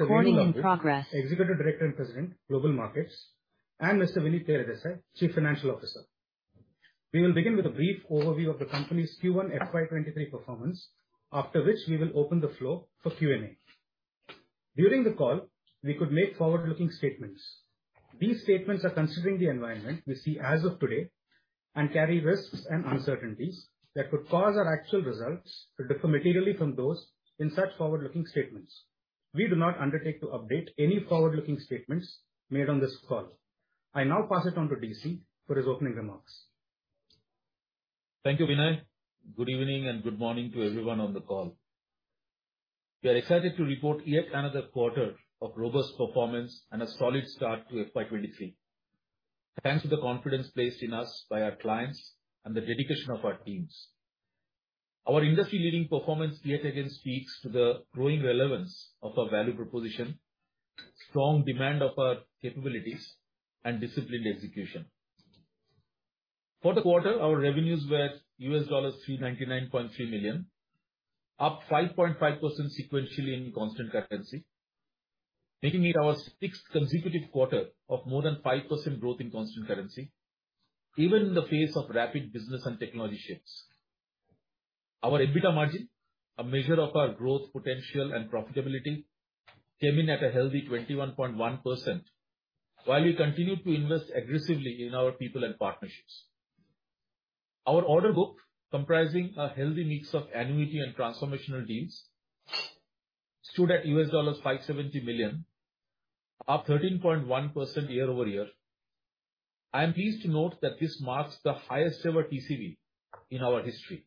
Executive Director and President, Global Markets, and Mr. Vinit Teredesai, Chief Financial Officer. We will begin with a brief overview of the company's Q1 FY 2023 performance, after which we will open the floor for Q&A. During the call, we could make forward-looking statements. These statements are considering the environment we see as of today and carry risks and uncertainties that could cause our actual results to differ materially from those in such forward-looking statements. We do not undertake to update any forward-looking statements made on this call. I now pass it on to DC for his opening remarks. Thank you, Vinay. Good evening and good morning to everyone on the call. We are excited to report yet another quarter of robust performance and a solid start to FY 2023. Thanks to the confidence placed in us by our clients and the dedication of our teams. Our industry-leading performance yet again speaks to the growing relevance of our value proposition, strong demand of our capabilities, and disciplined execution. For the quarter, our revenues were $399.3 million, up 5.5% sequentially in constant currency, making it our sixth consecutive quarter of more than 5% growth in constant currency, even in the face of rapid business and technology shifts. Our EBITDA margin, a measure of our growth potential and profitability, came in at a healthy 21.1% while we continued to invest aggressively in our people and partnerships. Our order book, comprising a healthy mix of annuity and transformational deals, stood at $570 million, up 13.1% year-over-year. I am pleased to note that this marks the highest ever TCV in our history.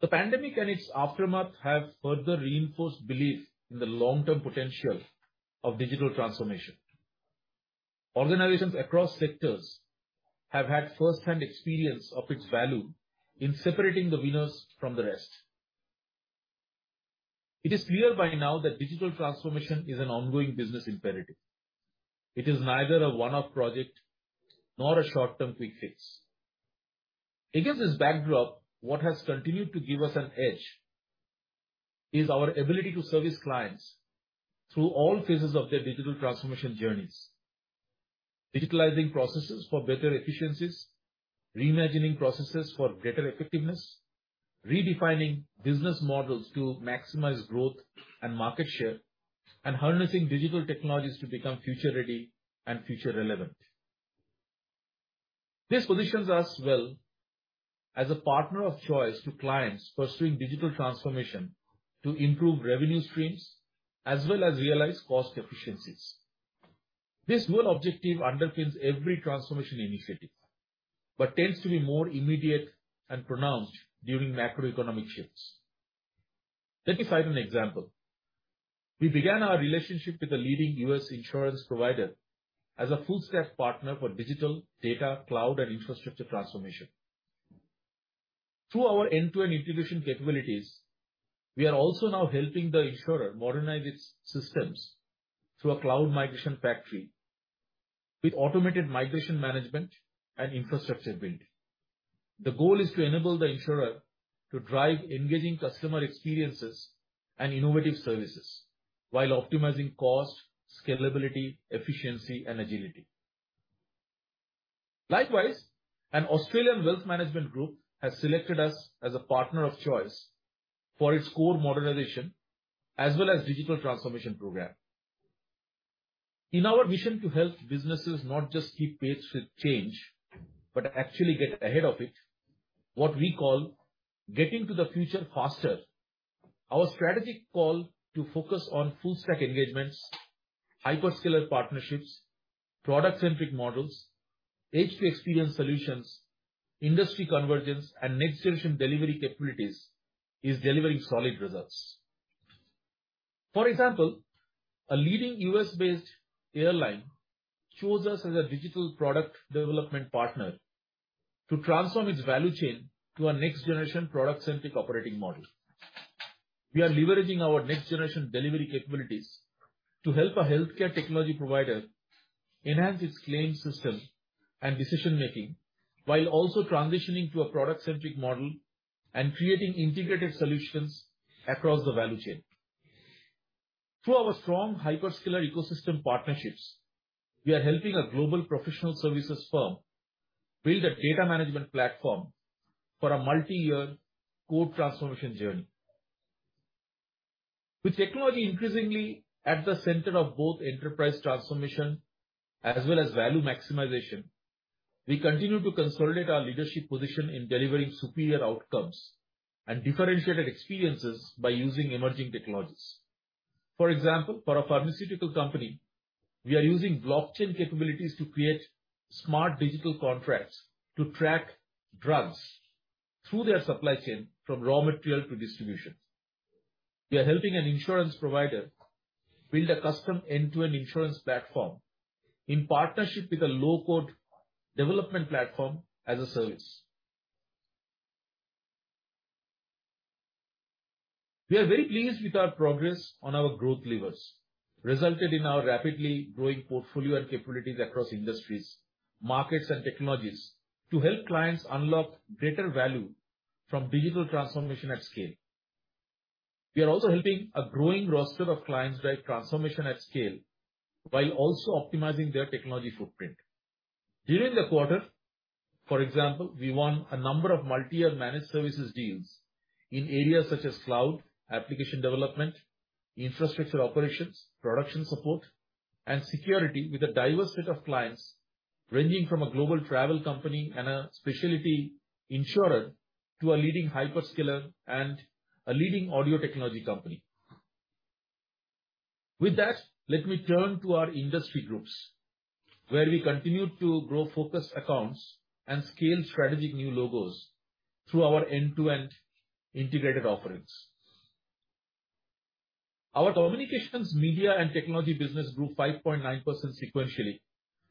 The pandemic and its aftermath have further reinforced belief in the long-term potential of digital transformation. Organizations across sectors have had first-hand experience of its value in separating the winners from the rest. It is clear by now that digital transformation is an ongoing business imperative. It is neither a one-off project nor a short-term quick fix. Against this backdrop, what has continued to give us an edge is our ability to service clients through all phases of their digital transformation journeys. Digitalizing processes for better efficiencies, reimagining processes for greater effectiveness, redefining business models to maximize growth and market share, and harnessing digital technologies to become future ready and future relevant. This positions us well as a partner of choice to clients pursuing digital transformation to improve revenue streams as well as realize cost efficiencies. This dual objective underpins every transformation initiative, but tends to be more immediate and pronounced during macroeconomic shifts. Let me cite an example. We began our relationship with a leading U.S. insurance provider as a full stack partner for digital data, cloud, and infrastructure transformation. Through our end-to-end integration capabilities, we are also now helping the insurer modernize its systems through a cloud migration factory with automated migration management and infrastructure build. The goal is to enable the insurer to drive engaging customer experiences and innovative services while optimizing cost, scalability, efficiency, and agility. Likewise, an Australian wealth management group has selected us as a partner of choice for its core modernization as well as digital transformation program. In our mission to help businesses not just keep pace with change, but actually get ahead of it, what we call getting to the future faster. Our strategic call to focus on full stack engagements, hyperscaler partnerships, product-centric models, edge-to-experience solutions, industry convergence, and next-generation delivery capabilities is delivering solid results. For example, a leading U.S.-based airline chose us as a digital product development partner to transform its value chain to a next-generation product-centric operating model. We are leveraging our next-generation delivery capabilities to help a healthcare technology provider enhance its claim system and decision making while also transitioning to a product-centric model and creating integrated solutions across the value chain. Through our strong hyperscaler ecosystem partnerships, we are helping a global professional services firm build a data management platform for a multi-year core transformation journey. With technology increasingly at the center of both enterprise transformation as well as value maximization, we continue to consolidate our leadership position in delivering superior outcomes and differentiated experiences by using emerging technologies. For example, for a pharmaceutical company, we are using blockchain capabilities to create smart digital contracts to track drugs through their supply chain from raw material to distribution. We are helping an insurance provider build a custom end-to-end insurance platform in partnership with a low-code development platform as a service. We are very pleased with our progress on our growth levers, resulting in our rapidly growing portfolio and capabilities across industries, markets, and technologies to help clients unlock greater value from digital transformation at scale. We are also helping a growing roster of clients drive transformation at scale while also optimizing their technology footprint. During the quarter, for example, we won a number of multi-year managed services deals in areas such as cloud, application development, infrastructure operations, production support, and security with a diverse set of clients ranging from a global travel company and a specialty insurer to a leading hyperscaler and a leading audio technology company. With that, let me turn to our industry groups, where we continue to grow focused accounts and scale strategic new logos through our end-to-end integrated offerings. Our Communications, Media, and Technology business grew 5.9% sequentially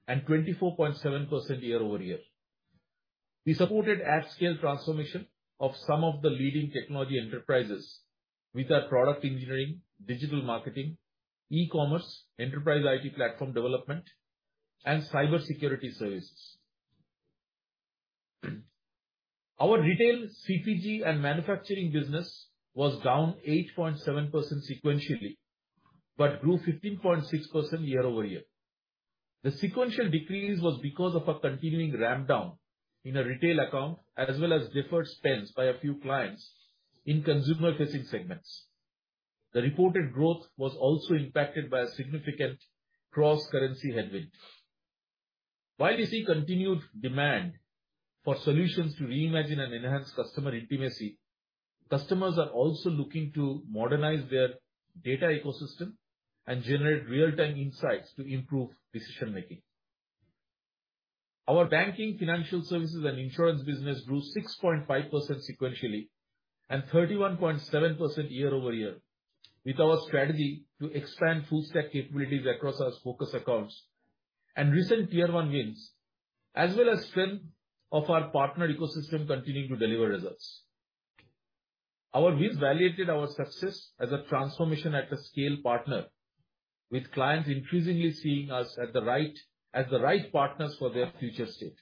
and 24.7% year-over-year. We supported at scale transformation of some of the leading technology enterprises with our product engineering, digital marketing, e-commerce, enterprise IT platform development, and cybersecurity services. Our Retail, CPG, and Manufacturing business was down 8.7% sequentially, but grew 15.6% year-over-year. The sequential decrease was because of a continuing ramp down in a retail account, as well as deferred spends by a few clients in consumer-facing segments. The reported growth was also impacted by a significant cross-currency headwind. While we see continued demand for solutions to reimagine and enhance customer intimacy, customers are also looking to modernize their data ecosystem and generate real-time insights to improve decision-making. Our Banking, Financial Services, and Insurance business grew 6.5% sequentially and 31.7% year-over-year with our strategy to expand full stack capabilities across our focus accounts and recent Tier-1 wins, as well as strength of our partner ecosystem continuing to deliver results. Our wins validated our success as a transformation-at-scale partner with clients increasingly seeing us as the right, as the right partners for their future state.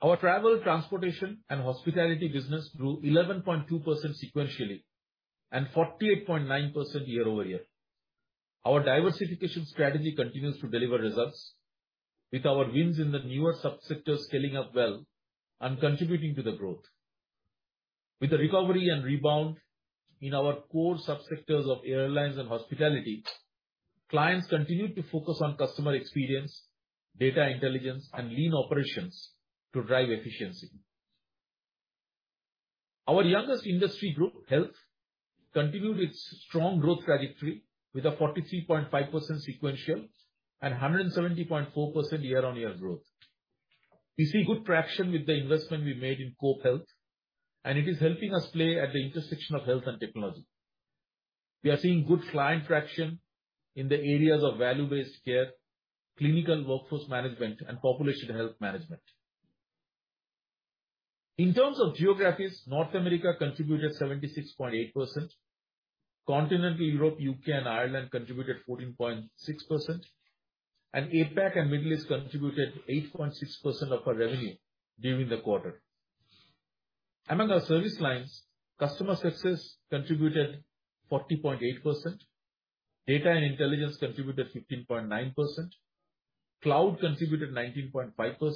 Our Travel, Transportation, and Hospitality business grew 11.2% sequentially and 48.9% year-over-year. Our diversification strategy continues to deliver results with our wins in the newer subsectors scaling up well and contributing to the growth. With the recovery and rebound in our core subsectors of airlines and hospitality, clients continued to focus on customer experience, data intelligence, and lean operations to drive efficiency. Our youngest industry group, Health, continued its strong growth trajectory with a 43.5% sequential and 170.4% year-over-year growth. We see good traction with the investment we made in COPE Health Solutions, and it is helping us play at the intersection of health and technology. We are seeing good client traction in the areas of value-based care, clinical workforce management, and population health management. In terms of geographies, North America contributed 76.8%, Continental Europe, U.K. and Ireland contributed 14.6%, and APAC and Middle East contributed 8.6% of our revenue during the quarter. Among our service lines, Customer Success contributed 40.8%, Data and Intelligence contributed 15.9%, Cloud contributed 19.5%,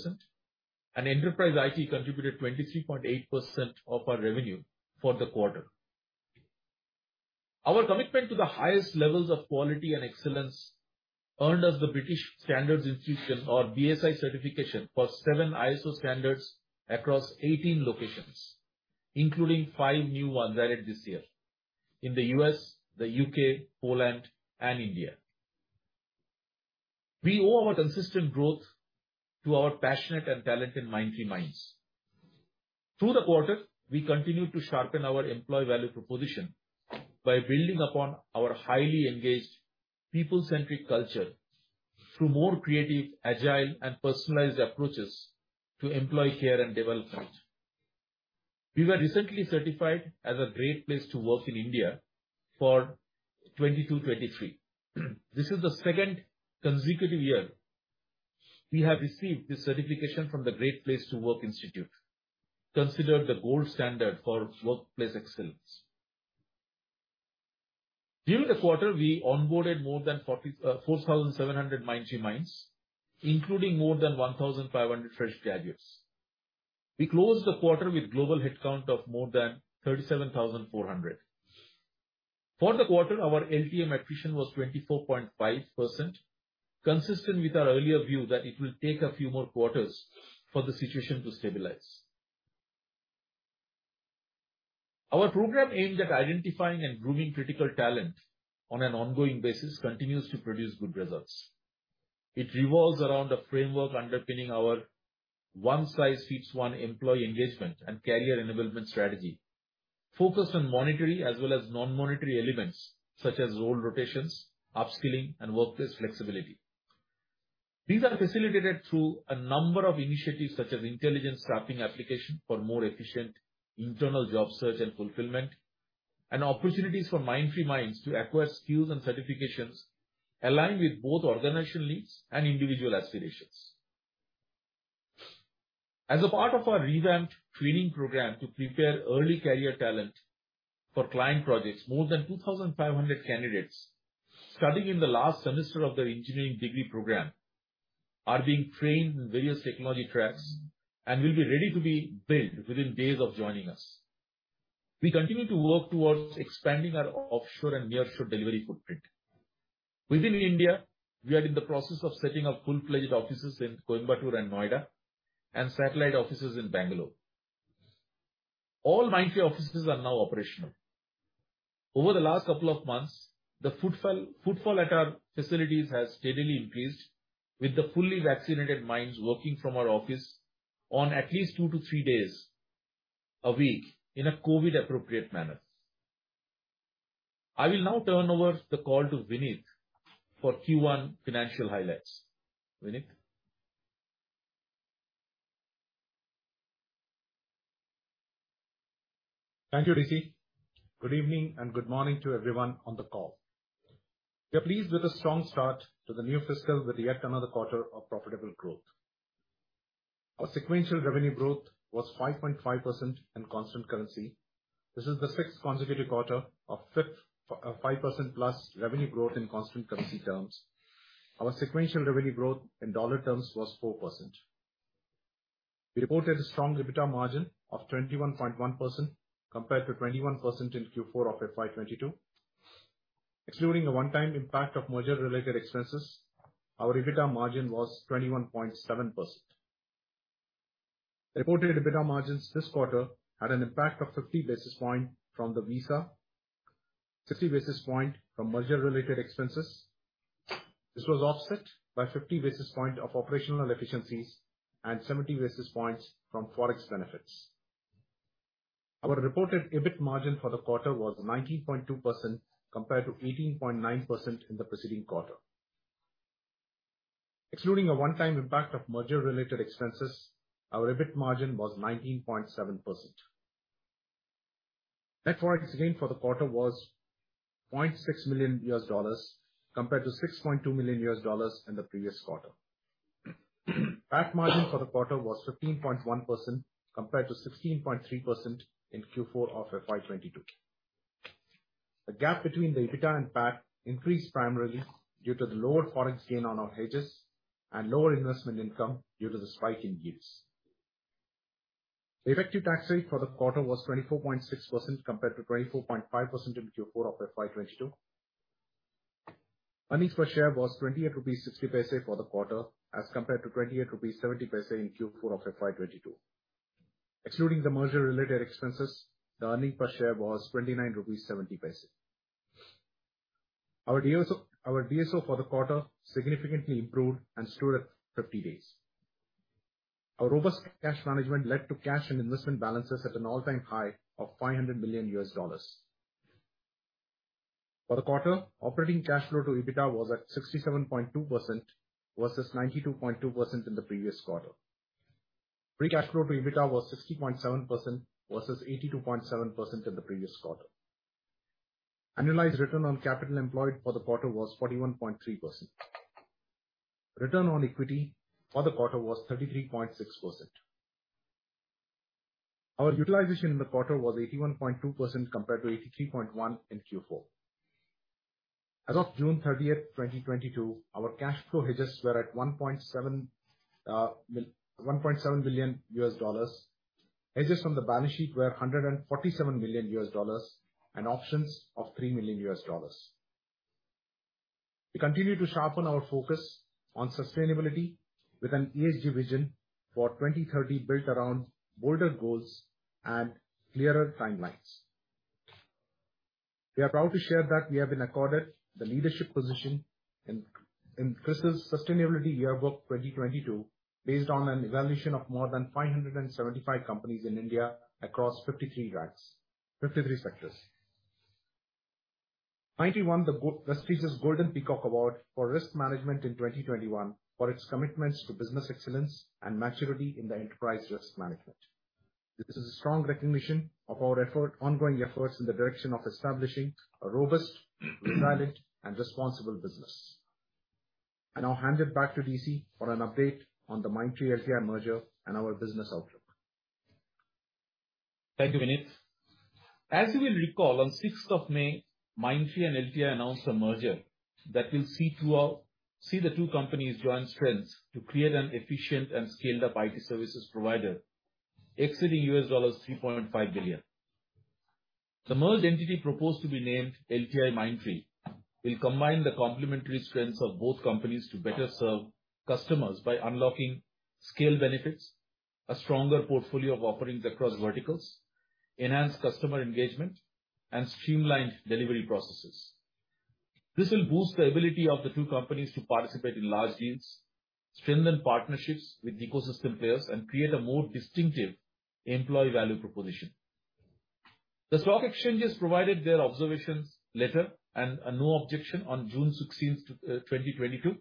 and Enterprise IT contributed 23.8% of our revenue for the quarter. Our commitment to the highest levels of quality and excellence earned us the British Standards Institution or BSI certification for seven ISO standards across 18 locations, including five new ones added this year in the U.S., the U.K., Poland, and India. We owe our consistent growth to our passionate and talented Mindtree Minds. Through the quarter, we continued to sharpen our employee value proposition by building upon our highly engaged people-centric culture through more creative, agile, and personalized approaches to employee care and development. We were recently certified as a Great Place to Work in India for 2022, 2023. This is the second consecutive year we have received this certification from the Great Place to Work Institute, considered the gold standard for workplace excellence. During the quarter, we onboarded more than 4,700 Mindtree Minds, including more than 1,500 fresh graduates. We closed the quarter with global headcount of more than 37,400. For the quarter, our LTM attrition was 24.5%, consistent with our earlier view that it will take a few more quarters for the situation to stabilize. Our program aimed at identifying and grooming critical talent on an ongoing basis continues to produce good results. It revolves around a framework underpinning our one-size-fits-one employee engagement and career enablement strategy focused on monetary as well as non-monetary elements such as role rotations, upskilling, and workplace flexibility. These are facilitated through a number of initiatives such as intelligence staffing application for more efficient internal job search and fulfillment, and opportunities for Mindtree Minds to acquire skills and certifications aligned with both organizational needs and individual aspirations. As a part of our revamped training program to prepare early career talent for client projects, more than 2,500 candidates studying in the last semester of their engineering degree program are being trained in various technology tracks and will be ready to be billed within days of joining us. We continue to work towards expanding our offshore and nearshore delivery footprint. Within India, we are in the process of setting up full-fledged offices in Coimbatore and Noida and satellite offices in Bangalore. All Mindtree offices are now operational. Over the last couple of months, the footfall at our facilities has steadily increased with the fully vaccinated minds working from our office on at least two to three days a week in a COVID-appropriate manner. I will now turn over the call to Vinit for Q1 financial highlights. Vinit? Thank you, DC. Good evening and good morning to everyone on the call. We are pleased with a strong start to the new fiscal with yet another quarter of profitable growth. Our sequential revenue growth was 5.5% in constant currency. This is the sixth consecutive quarter of 5%+ revenue growth in constant currency terms. Our sequential revenue growth in dollar terms was 4%. We reported a strong EBITDA margin of 21.1% compared to 21% in Q4 of FY 2022. Excluding a one-time impact of merger-related expenses, our EBITDA margin was 21.7%. Reported EBITDA margins this quarter had an impact of 50 basis points from the visa, 50 basis points from merger-related expenses. This was offset by 50 basis points of operational efficiencies and 70 basis points from Forex benefits. Our reported EBIT margin for the quarter was 19.2% compared to 18.9% in the preceding quarter. Excluding a one-time impact of merger-related expenses, our EBIT margin was 19.7%. Net Forex gain for the quarter was $0.6 million compared to $6.2 million in the previous quarter. PAT margin for the quarter was 15.1% compared to 16.3% in Q4 of FY 2022. The gap between the EBITDA and PAT increased primarily due to the lower Forex gain on our hedges and lower investment income due to the spike in yields. The effective tax rate for the quarter was 24.6% compared to 24.5% in Q4 of FY 2022. Earnings per share was 28.60 rupees for the quarter as compared to 28.70 rupees in Q4 of FY 2022. Excluding the merger-related expenses, the earnings per share was 29.70 rupees. Our DSO for the quarter significantly improved and stood at 50 days. Our robust cash management led to cash and investment balances at an all-time high of $500 million. For the quarter, operating cash flow to EBITDA was at 67.2% versus 92.2% in the previous quarter. Free cash flow to EBITDA was 60.7% versus 82.7% in the previous quarter. Annualized return on capital employed for the quarter was 41.3%. Return on equity for the quarter was 33.6%. Our utilization in the quarter was 81.2% compared to 83.1% in Q4. As of June 30th, 2022, our cash flow hedges were at $1.7 billion. Hedges on the balance sheet were $147 million and options of $3 million. We continue to sharpen our focus on sustainability with an ESG vision for 2030 built around bolder goals and clearer timelines. We are proud to share that we have been accorded the leadership position in CRISIL's Sustainability Yearbook 2022 based on an evaluation of more than 575 companies in India across 53 sectors. Mindtree won the prestigious Golden Peacock Award for Risk Management in 2021 for its commitments to business excellence and maturity in the enterprise risk management. This is a strong recognition of our ongoing efforts in the direction of establishing a robust, reliable, and responsible business. I'll hand it back to DC for an update on the Mindtree-LTI merger and our business outlook. Thank you, Vinit. As you will recall, on the 6th of May, Mindtree and LTI announced a merger that will see the two companies join strengths to create an efficient and scaled-up IT services provider exceeding $3.5 billion. The merged entity proposed to be named LTIMindtree will combine the complementary strengths of both companies to better serve customers by unlocking scale benefits, a stronger portfolio of offerings across verticals, enhance customer engagement, and streamline delivery processes. This will boost the ability of the two companies to participate in large deals, strengthen partnerships with ecosystem players, and create a more distinctive employee value proposition. The stock exchanges provided their observations later and a no objection on June 16th, 2022.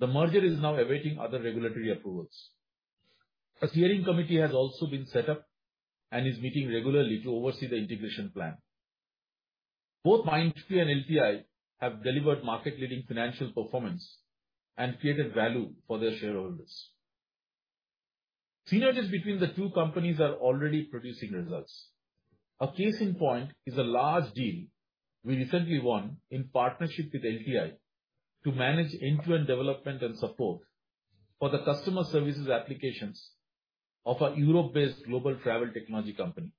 The merger is now awaiting other regulatory approvals. A steering committee has also been set up and is meeting regularly to oversee the integration plan. Both Mindtree and LTI have delivered market-leading financial performance and created value for their shareholders. Synergies between the two companies are already producing results. A case in point is a large deal we recently won in partnership with LTI to manage end-to-end development and support for the customer services applications of a Europe-based global travel technology company.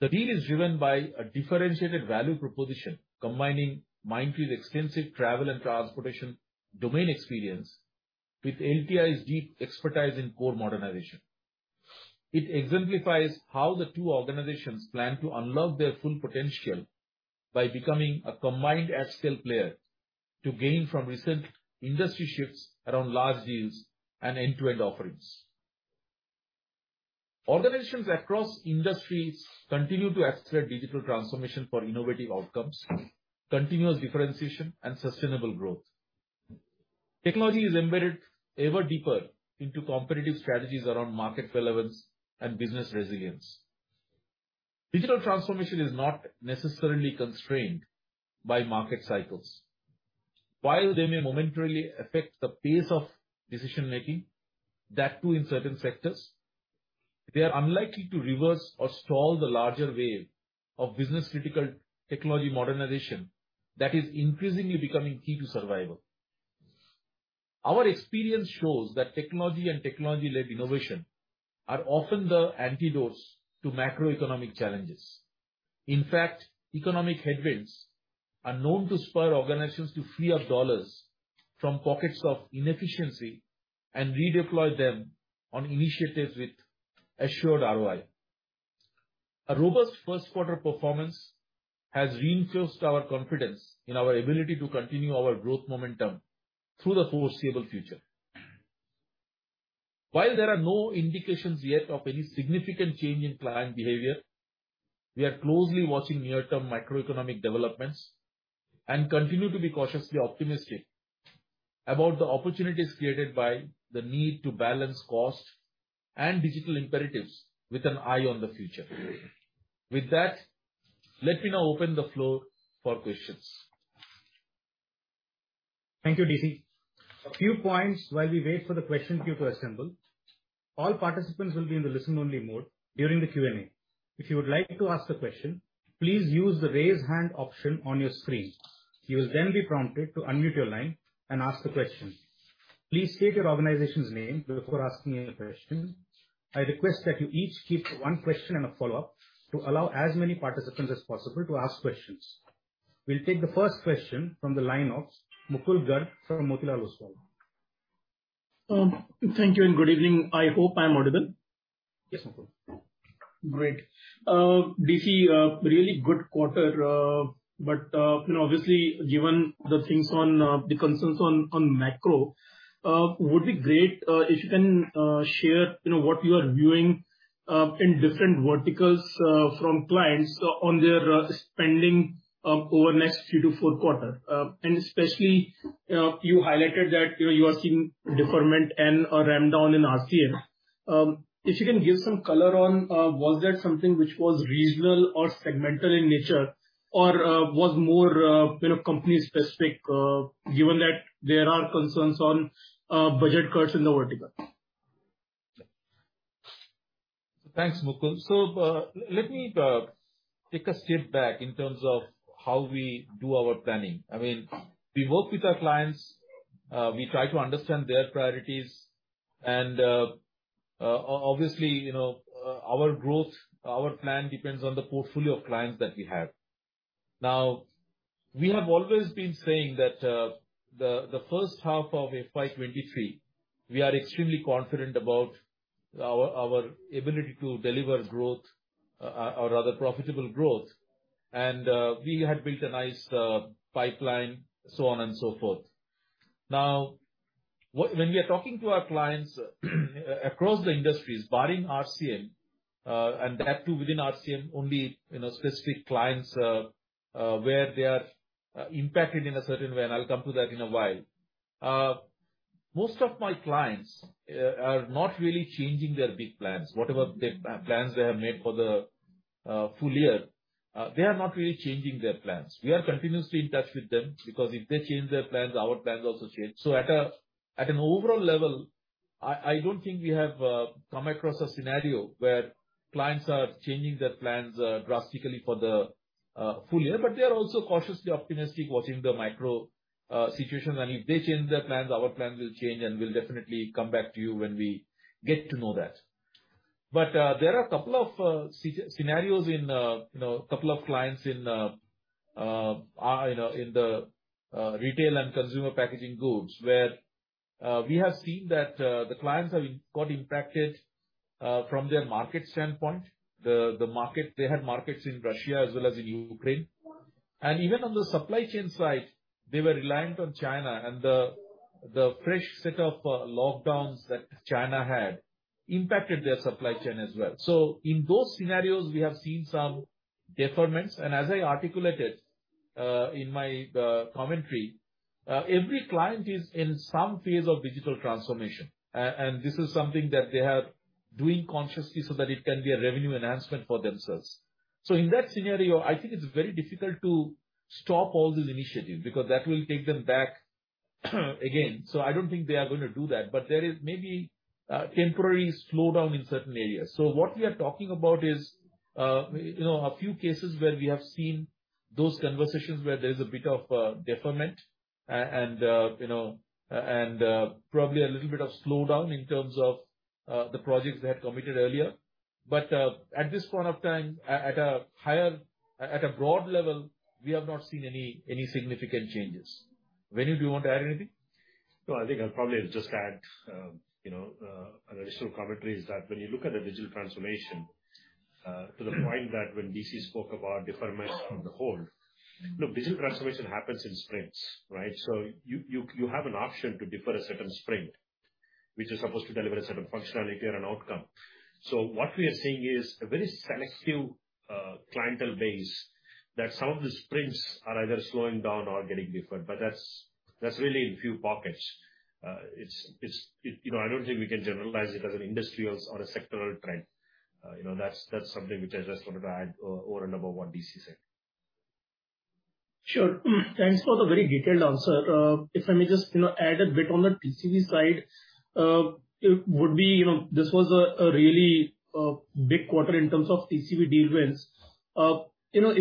The deal is driven by a differentiated value proposition, combining Mindtree's extensive travel and transportation domain experience with LTI's deep expertise in core modernization. It exemplifies how the two organizations plan to unlock their full potential by becoming a combined at-scale player to gain from recent industry shifts around large deals and end-to-end offerings. Organizations across industries continue to accelerate digital transformation for innovative outcomes, continuous differentiation and sustainable growth. Technology is embedded ever deeper into competitive strategies around market relevance and business resilience. Digital transformation is not necessarily constrained by market cycles. While they may momentarily affect the pace of decision-making, that too in certain sectors, they are unlikely to reverse or stall the larger wave of business-critical technology modernization that is increasingly becoming key to survival. Our experience shows that technology and technology-led innovation are often the antidotes to macroeconomic challenges. In fact, economic headwinds are known to spur organizations to free up dollars from pockets of inefficiency and redeploy them on initiatives with assured ROI. A robust first quarter performance has reinforced our confidence in our ability to continue our growth momentum through the foreseeable future. While there are no indications yet of any significant change in client behavior, we are closely watching near-term macroeconomic developments and continue to be cautiously optimistic about the opportunities created by the need to balance cost and digital imperatives with an eye on the future. With that, let me now open the floor for questions. Thank you, DC. A few points while we wait for the question queue to assemble. All participants will be in the listen-only mode during the Q&A. If you would like to ask a question, please use the Raise Hand option on your screen. You will then be prompted to unmute your line and ask the question. Please state your organization's name before asking any question. I request that you each keep one question and a follow-up to allow as many participants as possible to ask questions. We'll take the first question from the line of Mukul Garg from Motilal Oswal. Thank you and good evening. I hope I'm audible. Yes. Great. DC, a really good quarter. You know, obviously, given the things on the concerns on macro, would be great if you can share, you know, what you are viewing in different verticals from clients on their spending over next three to four quarter. Especially, you highlighted that, you know, you are seeing deferment and a ramp down in RCM. If you can give some color on, was that something which was regional or segmental in nature or, was more, you know, company specific, given that there are concerns on budget cuts in the vertical? Thanks, Mukul. Let me take a step back in terms of how we do our planning. I mean, we work with our clients, we try to understand their priorities and, obviously, you know, our growth, our plan depends on the portfolio of clients that we have. Now, we have always been saying that, the first half of FY 2023, we are extremely confident about our ability to deliver growth, or rather profitable growth. We had built a nice pipeline, so on and so forth. Now, when we are talking to our clients across the industries, barring RCM, and that too within RCM only, you know, specific clients, where they are impacted in a certain way, and I'll come to that in a while. Most of my clients are not really changing their big plans. Whatever the plans they have made for the full year, they are not really changing their plans. We are continuously in touch with them because if they change their plans our plans also change. So at an overall level, I don't think we have come across a scenario where clients are changing their plans drastically for the full year. They are also cautiously optimistic watching the macro situation and if they change their plans our plans will change and we'll definitely come back to you when we get to know that. There are a couple of scenarios in you know a couple of clients in you know in the Retail and Consumer Packaged Goods, where we have seen that the clients have got impacted from their market standpoint. The market. They had markets in Russia as well as in Ukraine. Even on the supply chain side, they were reliant on China and the fresh set of lockdowns that China had impacted their supply chain as well. In those scenarios we have seen some deferments. As I articulated in my commentary, every client is in some phase of digital transformation. And this is something that they are doing consciously so that it can be a revenue enhancement for themselves. In that scenario, I think it's very difficult to stop all these initiatives because that will take them back again. I don't think they are gonna do that. There is maybe a temporary slowdown in certain areas. What we are talking about is, you know, a few cases where we have seen those conversations, where there is a bit of deferment and, you know, probably a little bit of slowdown in terms of the projects they had committed earlier. At this point of time, at a broad level, we have not seen any significant changes. Venu, do you want to add anything? No, I think I'll probably just add, you know, an additional commentary is that when you look at the digital transformation, to the point that when DC spoke about deferments on the whole. Look, digital transformation happens in sprints, right? You have an option to defer a certain sprint which is supposed to deliver a certain functionality and an outcome. What we are seeing is a very select few, clientele base that some of the sprints are either slowing down or getting deferred. That's really in few pockets. It's, you know, I don't think we can generalize it as an industry or a sectoral trend. You know, that's something which I just wanted to add over and above what DC said. Sure. Thanks for the very detailed answer. If I may just, you know, add a bit on the TCV side. It would be, you know, this was a really big quarter in terms of TCV deal wins. You know,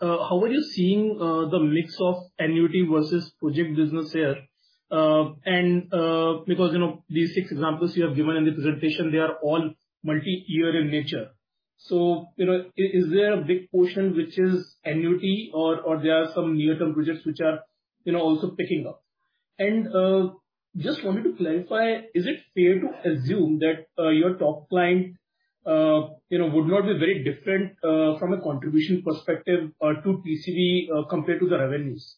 how are you seeing the mix of annuity versus project business here? Because, you know, these six examples you have given in the presentation, they are all multi-year in nature. You know, is there a big portion which is annuity or there are some near-term projects which are, you know, also picking up? Just to clarify, is it fair to assume that your top client, you know, would not be very different from a contribution perspective to TCV compared to the revenues?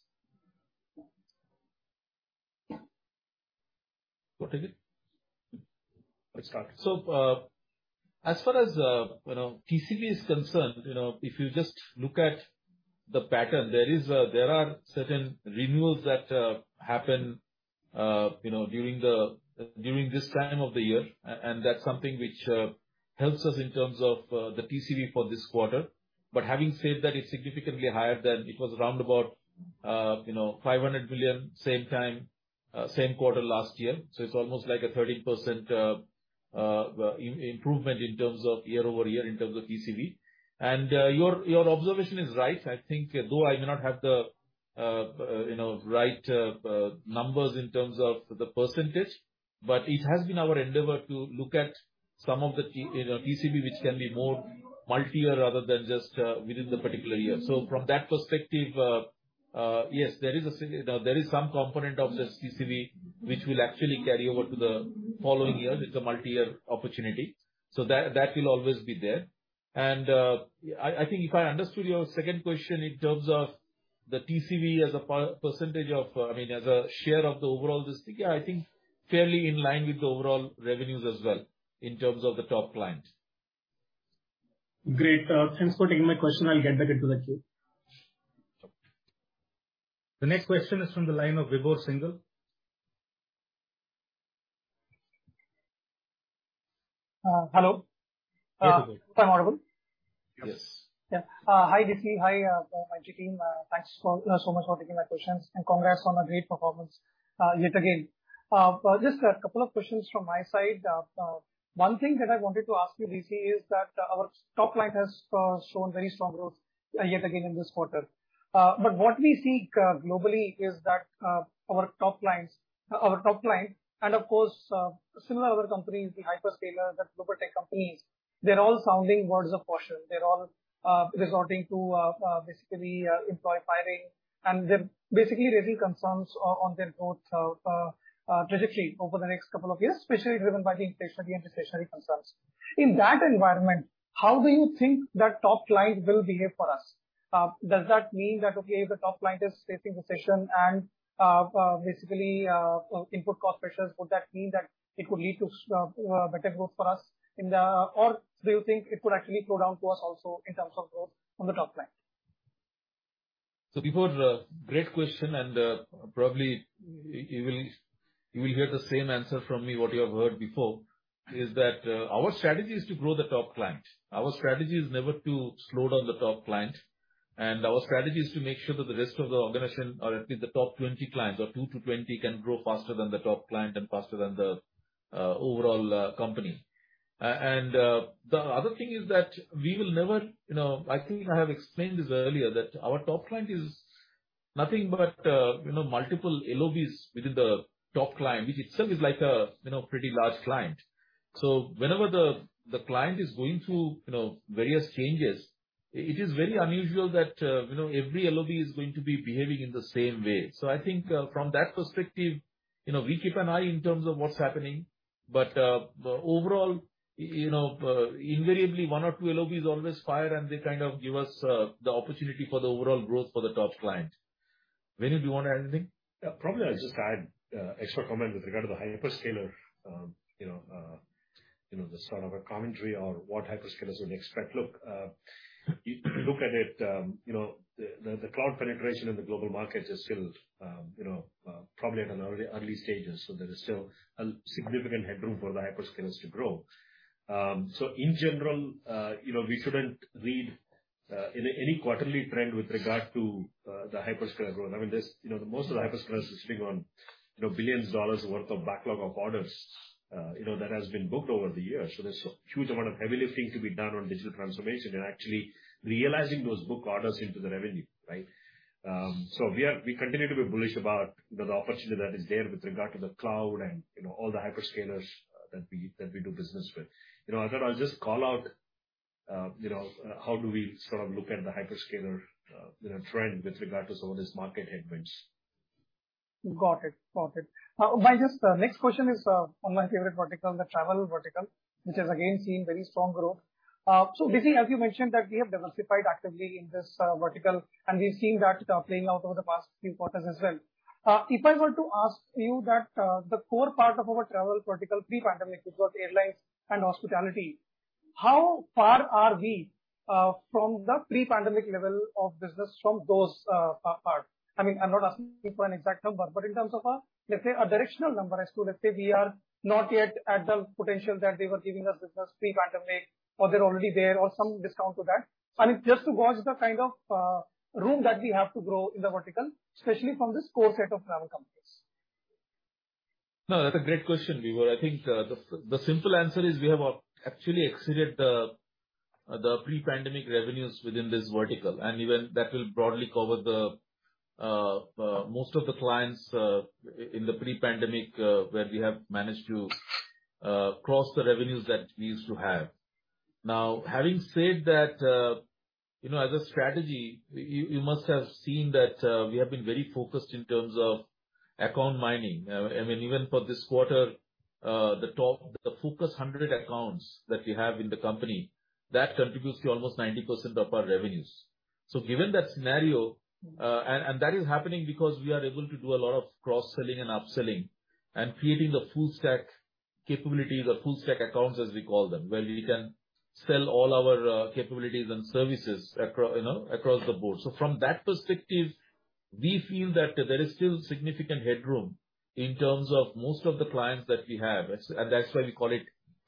What is it? Oh, it's started. As far as, you know, TCV is concerned, you know, if you just look at the pattern, there are certain renewals that happen, you know, during this time of the year, and that's something which helps us in terms of the TCV for this quarter. But having said that, it's significantly higher than it was around about, you know, $500 million, same time, same quarter last year. It's almost like a 13% improvement in terms of year-over-year in terms of TCV. Your observation is right. I think though I may not have the, you know, right, numbers in terms of the percentage, but it has been our endeavor to look at some of the TCV which can be more multi-year rather than just, within the particular year. From that perspective, yes, there is some component of this TCV which will actually carry over to the following year. It's a multi-year opportunity. That will always be there. I think if I understood your second question in terms of the TCV as a percentage of, I mean, as a share of the overall business. Yeah, I think fairly in line with the overall revenues as well in terms of the top client. Great. Thanks for taking my question. I'll get back into the queue. The next question is from the line of Vibhor Singhal. Hello. Yes. Am I audible? Yes. Yeah. Hi, DC. Hi, Mindtree team. Thanks so much for taking my questions. Congrats on a great performance, yet again. Just a couple of questions from my side. One thing that I wanted to ask you, DC, is that our top line has shown very strong growth, yet again in this quarter. What we see globally is that our top line and of course similar other companies, the hyperscalers, the global tech companies, they're all sounding words of caution. They're all resorting to basically employee firing and they're basically raising concerns on their growth trajectory over the next couple of years, especially driven by the inflationary and discretionary concerns. In that environment, how do you think that top line will behave for us? Does that mean that, okay, if the top line is facing recession and, basically, input cost pressures, would that mean that it could lead to better growth for us, or do you think it could actually flow down to us also in terms of growth on the top line? Vibhor, great question and, probably you will hear the same answer from me what you have heard before, is that our strategy is to grow the top client. Our strategy is never to slow down the top client. Our strategy is to make sure that the rest of the organization, or at least the top 20 clients or two to 20 can grow faster than the top client and faster than the overall company. The other thing is that we will never, you know, I think I have explained this earlier, that our top client is nothing but, you know, multiple LOBs within the top client, which itself is like a, you know, pretty large client. Whenever the client is going through, you know, various changes, it is very unusual that, you know, every LOB is going to be behaving in the same way. I think, from that perspective, you know, we keep an eye in terms of what's happening. Overall, you know, invariably one or two LOBs always fire and they kind of give us the opportunity for the overall growth for the top client. Venu, do you wanna add anything? Yeah. Probably I'll just add extra comment with regard to the hyperscaler, you know, the sort of a commentary on what hyperscalers would expect. Look, you look at it, you know, the cloud penetration in the global markets is still, you know, probably at an early stages. So there is still a significant headroom for the hyperscalers to grow. So in general, you know, we shouldn't read any quarterly trend with regard to the hyperscaler growth. I mean, there's you know, most of the hyperscalers are sitting on, you know, billions of dollars worth of backlog of orders, you know, that has been booked over the years. So there's a huge amount of heavy lifting to be done on digital transformation and actually realizing those booked orders into the revenue, right? We continue to be bullish about, you know, the opportunity that is there with regard to the cloud and, you know, all the hyperscalers that we do business with. You know, I thought I'll just call out, you know, how do we sort of look at the hyperscaler, you know, trend with regard to some of these market headwinds. Got it. My next question is just on my favorite vertical, the Travel vertical, which has again seen very strong growth. DC, as you mentioned that we have diversified actively in this vertical, and we've seen that playing out over the past few quarters as well. If I were to ask you that the core part of our travel vertical pre-pandemic was both airlines and hospitality, how far are we from the pre-pandemic level of business from those parts? I mean, I'm not asking you for an exact number, but in terms of, let's say a directional number as to let's say we are not yet at the potential that they were giving us business pre-pandemic, or they're already there, or some discount to that. Just to gauge the kind of room that we have to grow in the vertical, especially from this core set of travel companies. No, that's a great question, Vibhor. I think the simple answer is we have actually exceeded the pre-pandemic revenues within this vertical. Even that will broadly cover the most of the clients in the pre-pandemic where we have managed to cross the revenues that we used to have. Now, having said that, you know, as a strategy, you must have seen that we have been very focused in terms of account mining. I mean, even for this quarter, the top focus 100 accounts that we have in the company that contributes to almost 90% of our revenues. Given that scenario, and that is happening because we are able to do a lot of cross-selling and upselling and creating the full stack capabilities or full stack accounts, as we call them, where we can sell all our capabilities and services you know, across the board. From that perspective, we feel that there is still significant headroom in terms of most of the clients that we have. And that's why we call it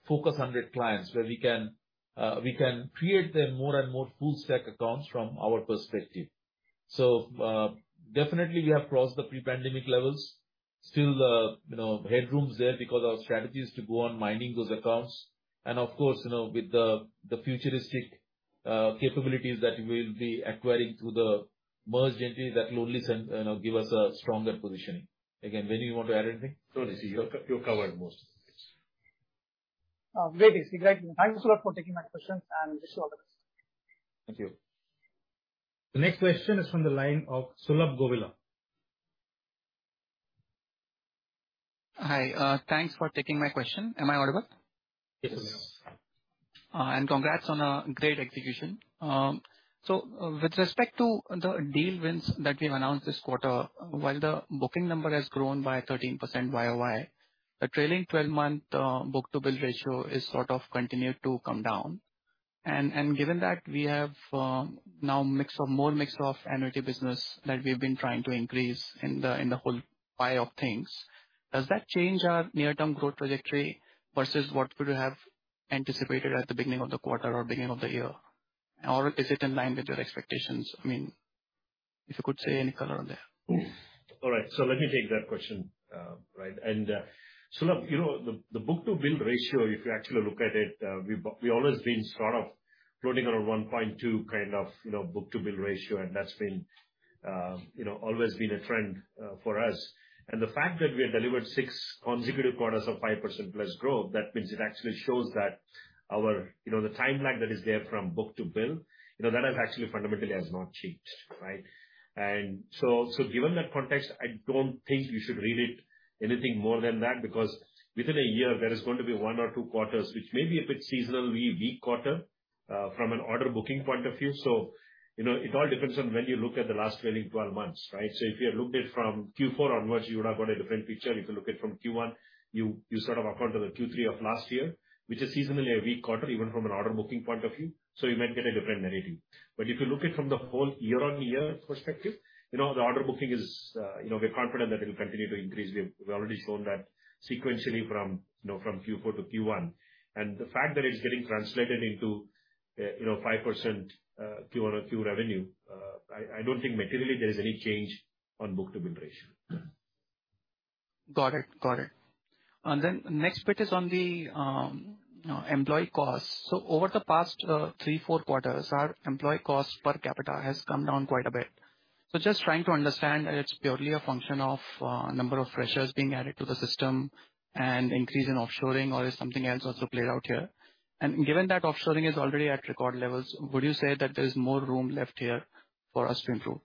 focus 100 clients, where we can create the more and more full stack accounts from our perspective. Definitely we have crossed the pre-pandemic levels. Still, you know, headroom's there because our strategy is to go on mining those accounts. Of course, you know, with the futuristic capabilities that we'll be acquiring through the merged entity, that will only, you know, give us a stronger positioning. Again, Venu, you want to add anything? No, DC. You covered most of it. Oh, great. It's been great. Thank you so much for taking my questions and wish you all the best. Thank you. The next question is from the line of Sulabh Govila. Hi. Thanks for taking my question. Am I audible? Yes. Congrats on a great execution. So, with respect to the deal wins that we've announced this quarter, while the booking number has grown by 13% YoY, the trailing twelve-month book-to-bill ratio is sort of continued to come down. Given that we have more mix of annuity business that we've been trying to increase in the whole pie of things, does that change our near-term growth trajectory versus what would you have anticipated at the beginning of the quarter or beginning of the year? Or is it in line with your expectations? I mean, if you could share any color on that. All right. Let me take that question, right. Sulabh, you know, the book-to-bill ratio, if you actually look at it, we've always been sort of floating on a 1.2 kind of, you know, book-to-bill ratio, and that's been, you know, always been a trend for us. The fact that we have delivered six consecutive quarters of 5%+ growth, that means it actually shows that our. You know, the timeline that is there from book to bill, you know, that has actually fundamentally not changed, right? Given that context, I don't think we should read it anything more than that, because within a year there is going to be one or two quarters which may be a bit seasonally weak quarter from an order booking point of view. You know, it all depends on when you look at the last trailing twelve months, right? If you had looked at it from Q4 onwards, you would have got a different picture. If you look at it from Q1, you sort of account for the Q3 of last year, which is seasonally a weak quarter even from an order booking point of view, so you might get a different narrative. If you look it from the whole year-on-year perspective, you know, the order booking is, you know, we're confident that it'll continue to increase. We've already shown that sequentially from, you know, from Q4 to Q1. The fact that it's getting translated into, you know, 5%, Q on Q revenue, I don't think materially there is any change on book-to-bill ratio. Got it. Next bit is on the employee costs. Over the past three, four quarters, our employee cost per capita has come down quite a bit. Just trying to understand if it's purely a function of number of freshers being added to the system and increase in offshoring, or is something else also played out here? Given that offshoring is already at record levels, would you say that there is more room left here for us to improve?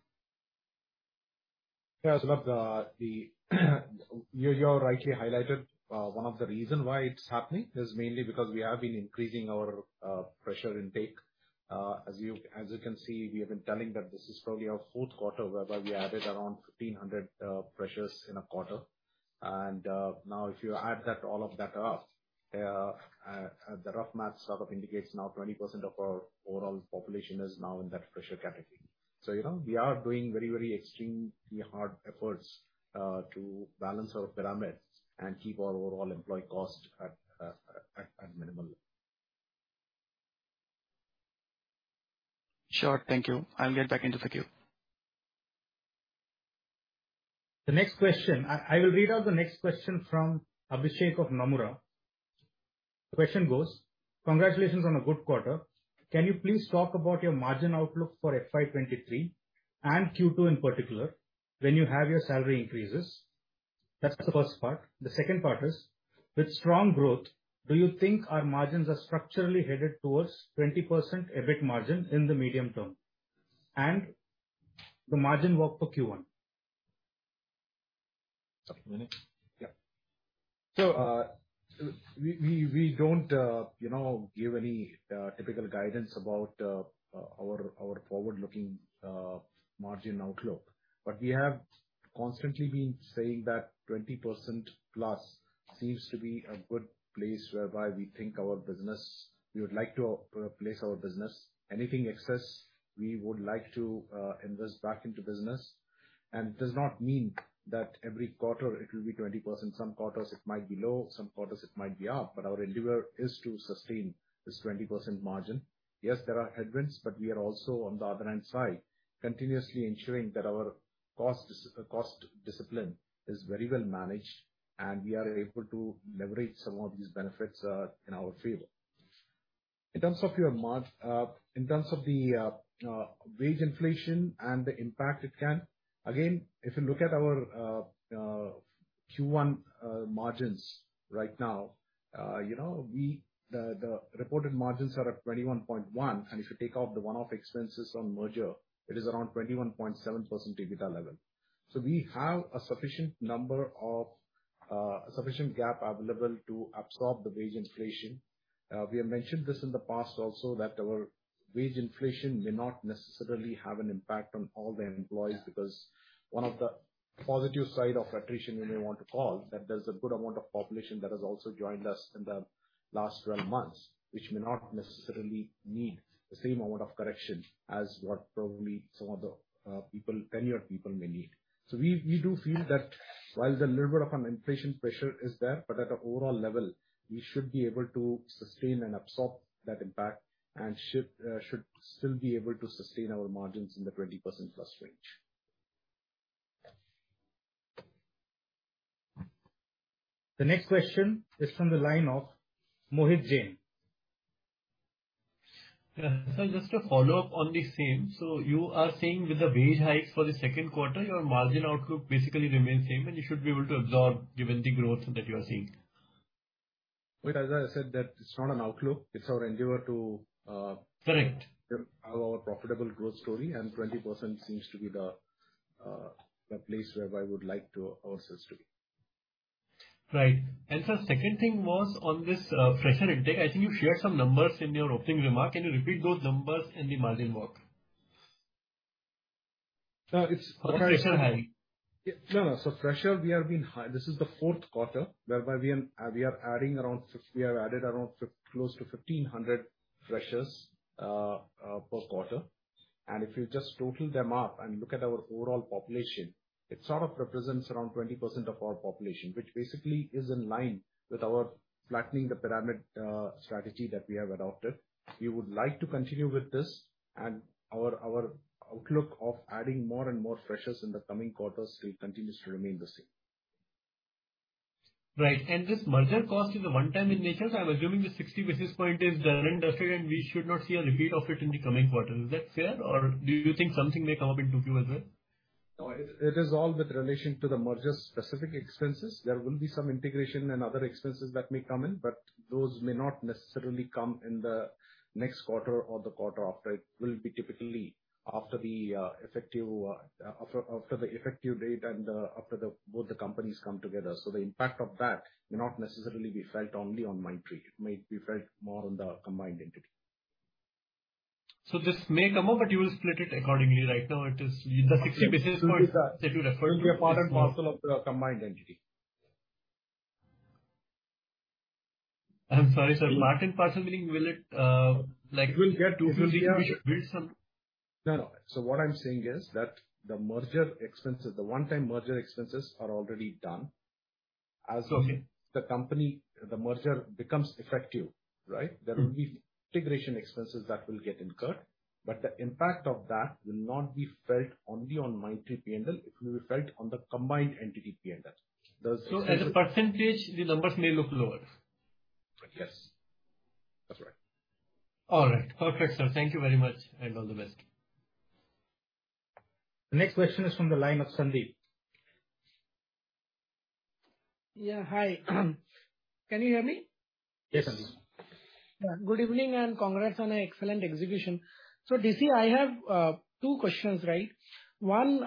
You've rightly highlighted one of the reason why it's happening is mainly because we have been increasing our fresher intake. As you can see, we have been telling that this is probably our fourth quarter whereby we added around 1,500 freshers in a quarter. Now if you add that up, the rough math sort of indicates 20% of our overall population is now in that fresher category. You know, we are doing very, very extremely hard efforts to balance our pyramids and keep our overall employee cost at minimum. Sure. Thank you. I'll get back into the queue. The next question. I will read out the next question from Abhishek of Nomura. The question goes, Congratulations on a good quarter. Can you please talk about your margin outlook for FY 2023 and Q2 in particular when you have your salary increases? That's the first part. The second part is, with strong growth, do you think our margins are structurally headed towards 20% EBIT margin in the medium term? And the margin work for Q1. One minute. Yeah. We don't you know give any typical guidance about our forward-looking margin outlook. We have constantly been saying that 20%+ seems to be a good place whereby we think our business we would like to place our business. Anything excess, we would like to invest back into business, and does not mean that every quarter it will be 20%. Some quarters it might be low, some quarters it might be up, but our endeavor is to sustain this 20% margin. Yes, there are headwinds, but we are also on the other hand side, continuously ensuring that cost discipline is very well managed, and we are able to leverage some of these benefits in our favor. In terms of the wage inflation and the impact it can, again, if you look at our Q1 margins right now, the reported margins are at 21.1, and if you take off the one-off expenses on merger, it is around 21.7% EBITDA level. We have a sufficient gap available to absorb the wage inflation. We have mentioned this in the past also that our wage inflation may not necessarily have an impact on all the employees because one of the positive side of attrition you may want to call, that there's a good amount of population that has also joined us in the last 12 months, which may not necessarily need the same amount of correction as what probably some of the people, tenured people may need. We do feel that while there's a little bit of an inflation pressure is there, but at the overall level, we should be able to sustain and absorb that impact and should still be able to sustain our margins in the 20%+ range. The next question is from the line of Mohit Jain. Yeah. Just to follow up on the same. You are saying with the wage hikes for the second quarter, your margin outlook basically remains same, and you should be able to absorb given the growth that you are seeing. Mohit, as I said that it's not an outlook, it's our endeavor to. Correct. Have our profitable growth story and 20% seems to be the place whereby ours is to be. Right. Sir, second thing was on this, fresher intake. I think you shared some numbers in your opening remark. Can you repeat those numbers in the management work? No, it's- For fresher hiring. This is the fourth quarter whereby we have added around close to 1,500 freshers per quarter. If you just total them up and look at our overall population, it sort of represents around 20% of our population, which basically is in line with our flattening the pyramid strategy that we have adopted. We would like to continue with this and our outlook of adding more and more freshers in the coming quarters will continues to remain the same. Right. This merger cost is a one-time in nature, so I'm assuming the 60 basis points is the one-time fee and we should not see a repeat of it in the coming quarters. Is that fair or do you think something may come up into view as well? No. It is all with relation to the merger-specific expenses. There will be some integration and other expenses that may come in, but those may not necessarily come in the next quarter or the quarter after. It will be typically after the effective date and after both the companies come together. The impact of that may not necessarily be felt only on Mindtree. It might be felt more on the combined entity. This may come up, but you will split it accordingly. Right now it is the 60 basis points that you referred to. It will be a part and parcel of the combined entity. I'm sorry, sir. Part and parcel meaning will it, like- It will get- We should build some No, no. What I'm saying is that the merger expenses, the one-time merger expenses are already done. As of- Okay. The company, the merger becomes effective, right? Mm-hmm. There will be integration expenses that will get incurred, but the impact of that will not be felt only on Mindtree P&L. It will be felt on the combined entity P&L. As a percentage, the numbers may look lower. Yes. That's right. All right. Perfect, sir. Thank you very much and all the best. The next question is from the line of Sandeep. Yeah, hi. Can you hear me? Yes, I do. Yeah. Good evening, and congrats on an excellent execution. DC, I have two questions, right? One,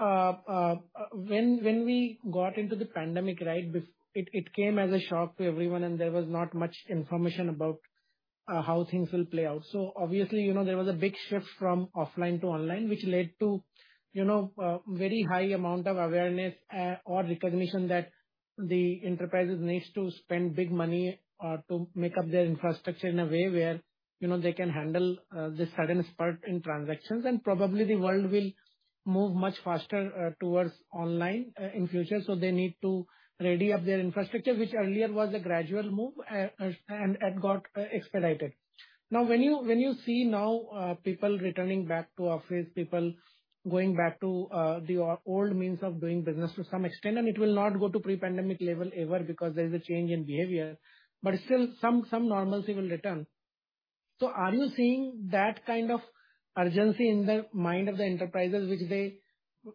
when we got into the pandemic, right, it came as a shock to everyone, and there was not much information about how things will play out. Obviously, you know, there was a big shift from offline to online, which led to, you know, very high amount of awareness, or recognition that the enterprises needs to spend big money, to make up their infrastructure in a way where, you know, they can handle the sudden spurt in transactions. And probably the world will move much faster towards online in future. They need to ready up their infrastructure, which earlier was a gradual move, and got expedited. Now, when you see, people returning back to office, people going back to the old means of doing business to some extent, and it will not go to pre-pandemic level ever because there is a change in behavior. Still some normalcy will return. Are you seeing that kind of urgency in the mind of the enterprises which they.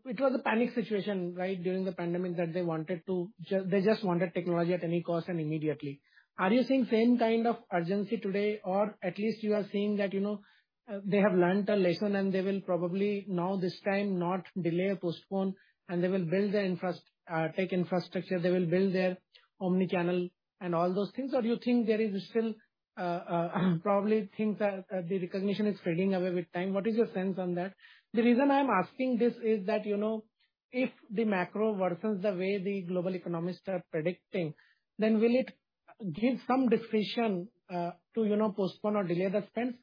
It was a panic situation, right, during the pandemic that they wanted to they just wanted technology at any cost and immediately. Are you seeing same kind of urgency today, or at least you are seeing that, you know, they have learned a lesson and they will probably now this time not delay or postpone and they will build their tech infrastructure, they will build their omni-channel and all those things? Do you think there is still probably the recognition is fading away with time? What is your sense on that? The reason I'm asking this is that, you know, if the macro worsens the way the global economists are predicting, then will it give some discretion to, you know, postpone or delay the spends?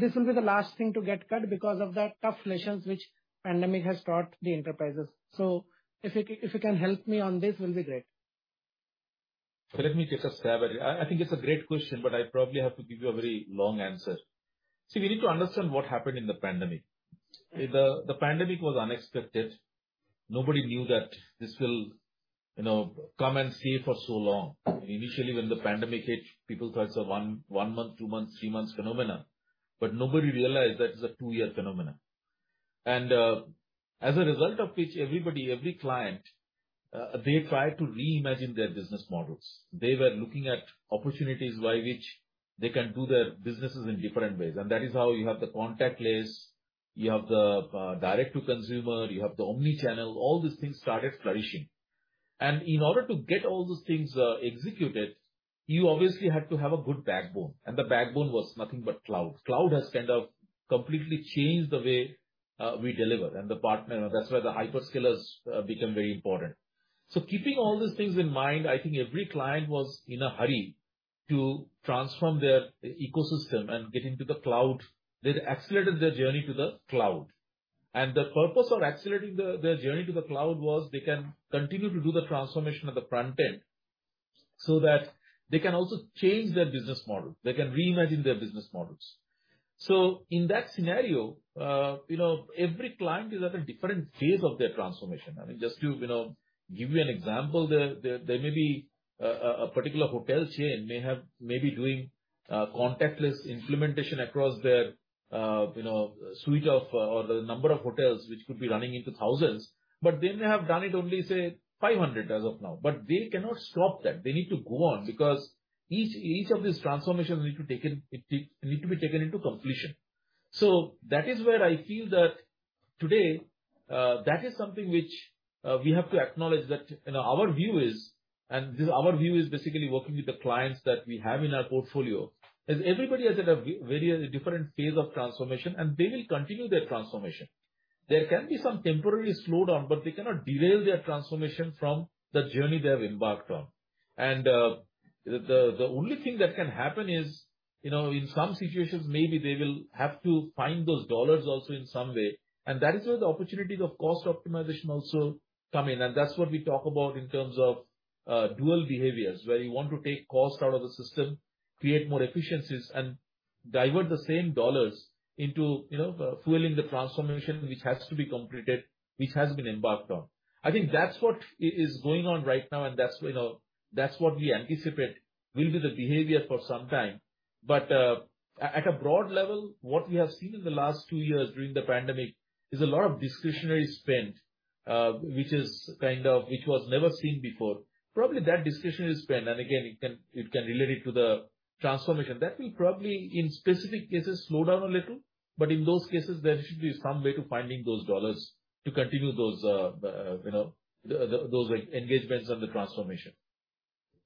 This will be the last thing to get cut because of the tough lessons the pandemic has taught the enterprises. If you can help me on this, will be great. Let me take a stab at it. I think it's a great question, but I probably have to give you a very long answer. See, we need to understand what happened in the pandemic. The pandemic was unexpected. Nobody knew that this will, you know, come and stay for so long. Initially, when the pandemic hit, people thought it's a one month, two months, three months phenomena, but nobody realized that it's a two-year phenomena. As a result of which everybody, every client, they tried to reimagine their business models. They were looking at opportunities by which they can do their businesses in different ways. That is how you have the contactless, you have the, direct to consumer, you have the omni-channel. All these things started flourishing. In order to get all those things executed, you obviously had to have a good backbone. The backbone was nothing but cloud. Cloud has kind of completely changed the way we deliver. That's why the hyperscalers become very important. Keeping all these things in mind, I think every client was in a hurry to transform their ecosystem and get into the cloud. They'd accelerated their journey to the cloud. The purpose of accelerating their journey to the cloud was they can continue to do the transformation at the front-end so that they can also change their business model. They can reimagine their business models. In that scenario, you know, every client is at a different phase of their transformation. I mean, just to, you know, give you an example, there may be a particular hotel chain that may be doing contactless implementation across their, you know, suite of, or the number of hotels which could be running into thousands. They may have done it only, say, 500 as of now. They cannot stop that. They need to go on, because each of these transformations need to be taken into completion. That is where I feel that today, that is something which we have to acknowledge that, you know, our view is basically working with the clients that we have in our portfolio, is everybody is at a very different phase of transformation, and they will continue their transformation. There can be some temporary slowdown, but they cannot derail their transformation from the journey they have embarked on. The only thing that can happen is, you know, in some situations, maybe they will have to find those dollars also in some way. That is where the opportunities of cost optimization also come in. That's what we talk about in terms of dual behaviors, where you want to take cost out of the system, create more efficiencies, and divert the same dollars into, you know, fueling the transformation which has to be completed, which has been embarked on. I think that's what is going on right now, and that's, you know, that's what we anticipate will be the behavior for some time. At a broad level, what we have seen in the last two years during the pandemic is a lot of discretionary spend, which was never seen before. Probably that discretionary spend, and again, it can relate it to the transformation that will probably in specific cases slow down a little. In those cases, there should be some way to finding those dollars to continue those, you know, those like engagements on the transformation.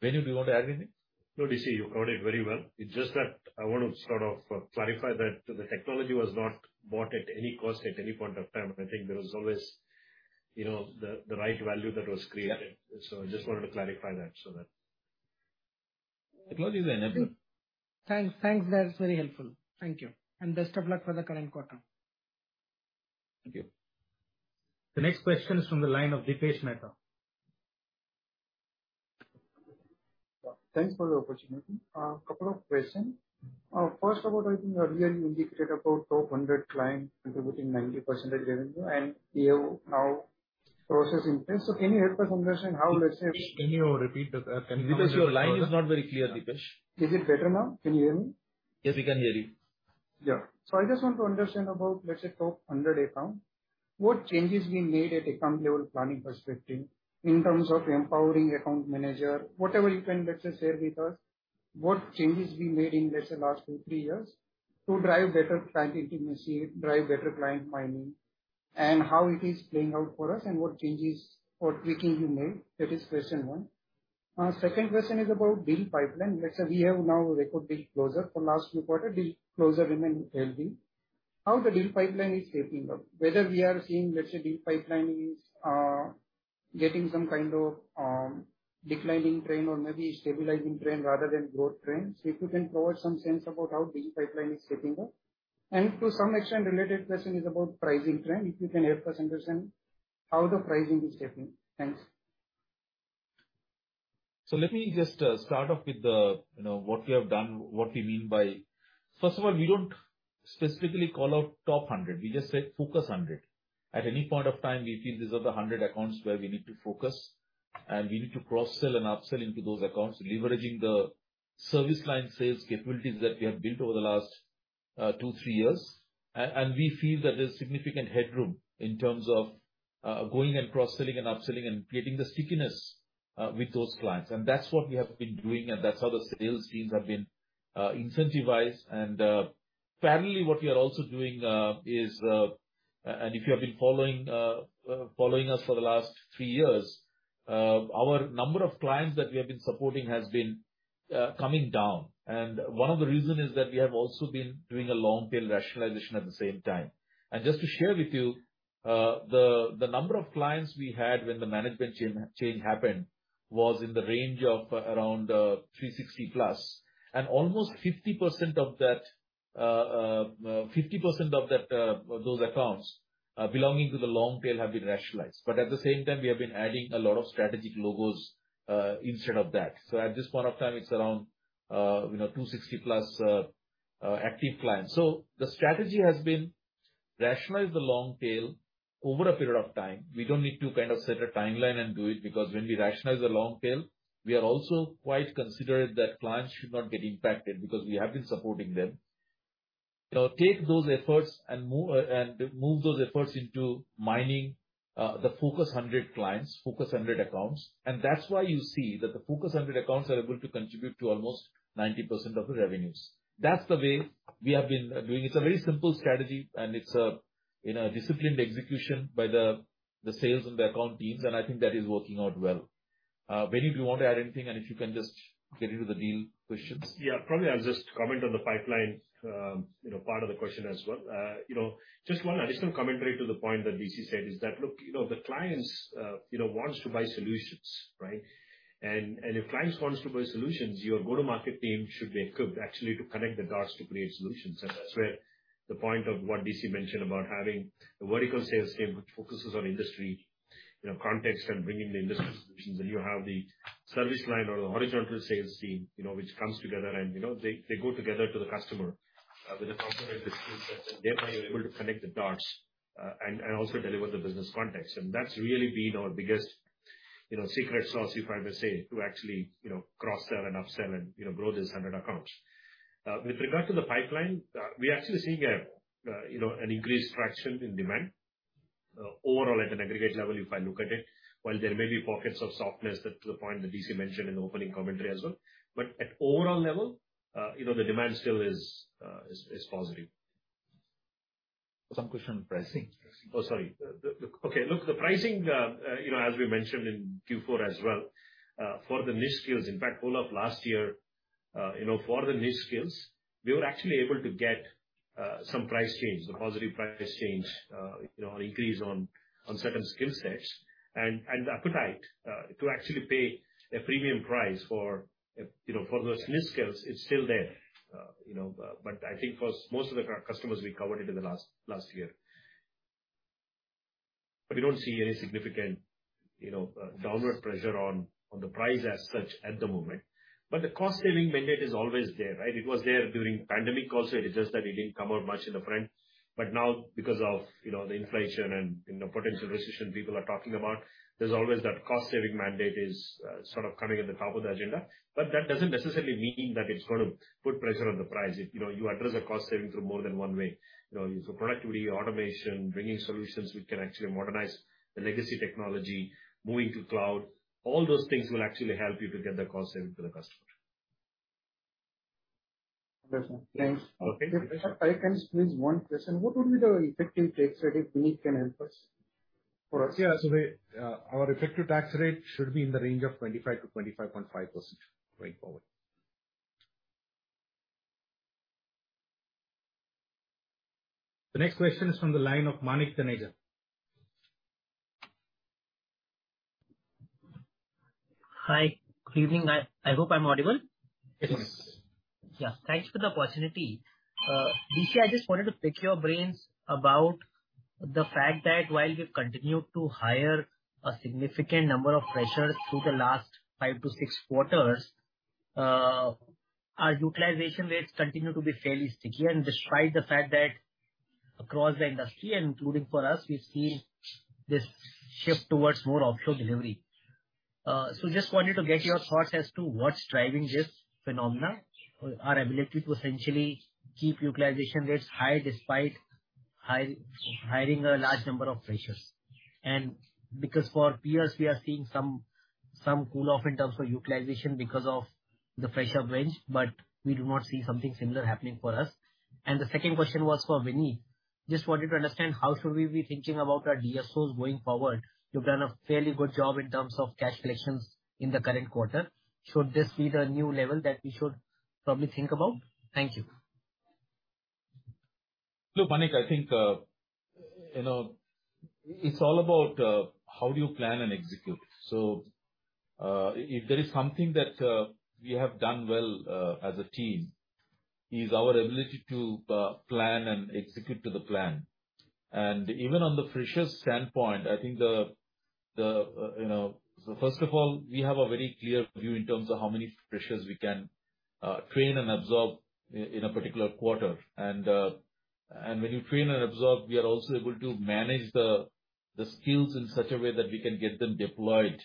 Venu, do you want to add anything? No, DC, you covered it very well. It's just that I want to sort of clarify that the technology was not bought at any cost at any point of time. I think there was always, you know, the right value that was created. Yeah. I just wanted to clarify that so that. Technology is enabler. Thanks. That's very helpful. Thank you. Best of luck for the current quarter. Thank you. The next question is from the line of Dipesh Mehta. Thanks for the opportunity. A couple of question. First of all, I think earlier you indicated about top 100 client contributing 90% of the revenue, and you have now processing this. Can you help us understand how, let's say- Can you repeat the? Dipesh, your line is not very clear, Dipesh. Is it better now? Can you hear me? Yes, we can hear you. Yeah. I just want to understand about, let's say, top 100 account. What changes we made at account level planning perspective in terms of empowering account manager. Whatever you can, let's say, share with us, what changes we made in, let's say, last two, three years to drive better client intimacy, drive better client mining, and how it is playing out for us and what changes or tweaking you made. That is question one. Second question is about deal pipeline. Let's say we have now record deal closure for last few quarter. Deal closure remain healthy. How the deal pipeline is shaping up. Whether we are seeing, let's say, deal pipeline is getting some kind of declining trend or maybe stabilizing trend rather than growth trend. If you can provide some sense about how deal pipeline is shaping up. To some extent, related question is about pricing trend. If you can help us understand how the pricing is shaping. Thanks. Let me just start off with the, you know, what we have done, what we mean by. First of all, we don't specifically call out top 100. We just said focus 100. At any point of time, we feel these are the 100 accounts where we need to focus, and we need to cross-sell and up-sell into those accounts, leveraging the service line sales capabilities that we have built over the last two, three years. And we feel that there's significant headroom in terms of going and cross-selling and up-selling and creating the stickiness with those clients. And that's what we have been doing, and that's how the sales teams have been incentivized. Finally, what we are also doing is, and if you have been following us for the last three years, our number of clients that we have been supporting has been coming down. One of the reason is that we have also been doing a long tail rationalization at the same time. Just to share with you, the number of clients we had when the management change happened was in the range of around 360+. Almost 50% of that, those accounts belonging to the long tail have been rationalized. At the same time, we have been adding a lot of strategic logos instead of that. At this point of time, it's around, you know, 260+ active clients. The strategy has been rationalize the long tail over a period of time. We don't need to kind of set a timeline and do it because when we rationalize the long tail, we are also quite considerate that clients should not get impacted because we have been supporting them. Now take those efforts and move those efforts into maintaining the focus hundred clients, focus hundred accounts. That's why you see that the focus hundred accounts are able to contribute to almost 90% of the revenues. That's the way we have been doing. It's a very simple strategy, and it's a, you know, disciplined execution by the sales and the account teams. I think that is working out well. Venu, do you want to add anything, and if you can just get into the deal questions? Yeah. Probably I'll just comment on the pipeline, you know, part of the question as well. You know, just one additional commentary to the point that DC said is that, look, you know, the clients, you know, wants to buy solutions, right? If clients wants to buy solutions, your go-to-market team should be equipped actually to connect the dots to create solutions. That's where the point of what DC mentioned about having a vertical sales team which focuses on industry, you know, context and bringing the industry solutions. You have the service line or the horizontal sales team, you know, which comes together and, you know, they go together to the customer with the complementary skill sets, and thereby you're able to connect the dots and also deliver the business context. That's really been our biggest, you know, secret sauce, if I may say, to actually, you know, cross-sell and up-sell and, you know, grow this 100 accounts. With regard to the pipeline, we are actually seeing, you know, an increased traction in demand, overall at an aggregate level, if I look at it. While there may be pockets of softness that to the point that DC mentioned in the opening commentary as well. At overall level, you know, the demand still is positive. Some question on pricing. Look, the pricing, you know, as we mentioned in Q4 as well, for the niche skills, in fact, all of last year, you know, for the niche skills, we were actually able to get some price change, a positive price change, you know, or increase on certain skill sets. The appetite to actually pay a premium price for those niche skills is still there. You know, I think for most of the customers, we covered it in the last year. We don't see any significant downward pressure on the price as such at the moment. The cost saving mandate is always there, right? It was there during pandemic also. It's just that it didn't come out much in the front. Now because of, you know, the inflation and, you know, potential recession people are talking about, there's always that cost saving mandate is sort of coming at the top of the agenda. That doesn't necessarily mean that it's gonna put pressure on the price. You know, you address the cost saving through more than one way. You know, use of productivity, automation, bringing solutions which can actually modernize the legacy technology, moving to cloud. All those things will actually help you to get the cost saving to the customer. Understood. Thanks. Oh, thank you. If I can squeeze one question. What would be the effective tax rate, if Vinit can help us, for us? Our effective tax rate should be in the range of 25%-25.5% going forward. The next question is from the line of Manik Taneja. Hi. Good evening. I hope I'm audible. Yes. Yeah. Thanks for the opportunity. DC, I just wanted to pick your brains about the fact that while we've continued to hire a significant number of freshers through the last five to six quarters, our utilization rates continue to be fairly sticky. Despite the fact that across the industry, and including for us, we've seen this shift towards more offshore delivery, just wanted to get your thoughts as to what's driving this phenomenon. Our ability to essentially keep utilization rates high despite hiring a large number of freshers. Because for peers, we are seeing some cool off in terms of utilization because of the fresher binge, but we do not see something similar happening for us. The second question was for Vinit. Just wanted to understand how should we be thinking about our DSOs going forward. You've done a fairly good job in terms of cash collections in the current quarter. Should this be the new level that we should probably think about? Thank you. Look, Manik, I think, you know, it's all about how do you plan and execute. If there is something that we have done well as a team, is our ability to plan and execute to the plan. Even on the freshers standpoint, I think you know first of all, we have a very clear view in terms of how many freshers we can train and absorb in a particular quarter. When you train and absorb, we are also able to manage the skills in such a way that we can get them deployed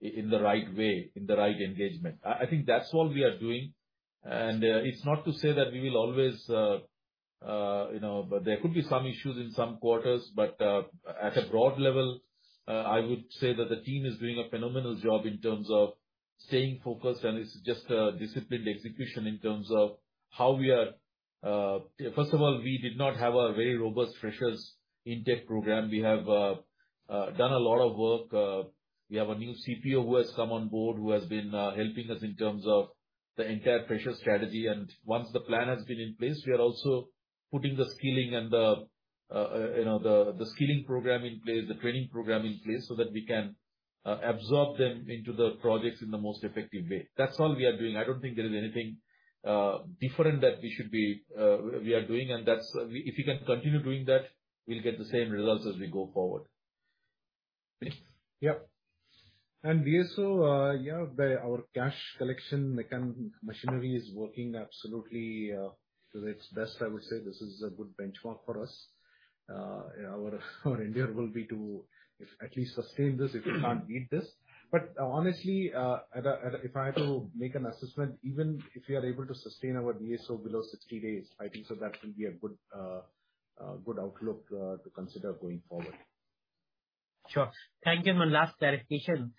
in the right way, in the right engagement. I think that's what we are doing. It's not to say that we will always you know, there could be some issues in some quarters. At a broad level, I would say that the team is doing a phenomenal job in terms of staying focused, and it's just a disciplined execution in terms of how we are. First of all, we did not have a very robust freshers intake program. We have done a lot of work. We have a new CPO who has come on board, who has been helping us in terms of the entire fresher strategy. Once the plan has been in place, we are also putting the skilling and the, you know, the skilling program in place, the training program in place, so that we can absorb them into the projects in the most effective way. That's all we are doing. I don't think there is anything different that we are doing. That's if you can continue doing that, we'll get the same results as we go forward. Vinit? Yeah. DSO, you know, our cash collection machinery is working absolutely to its best. I would say this is a good benchmark for us. Our endeavor will be to at least sustain this, if we can't beat this. Honestly, at a if I have to make an assessment, even if we are able to sustain our DSO below 60 days, I think so that will be a good outlook to consider going forward. Sure. Thank you. One last clarification.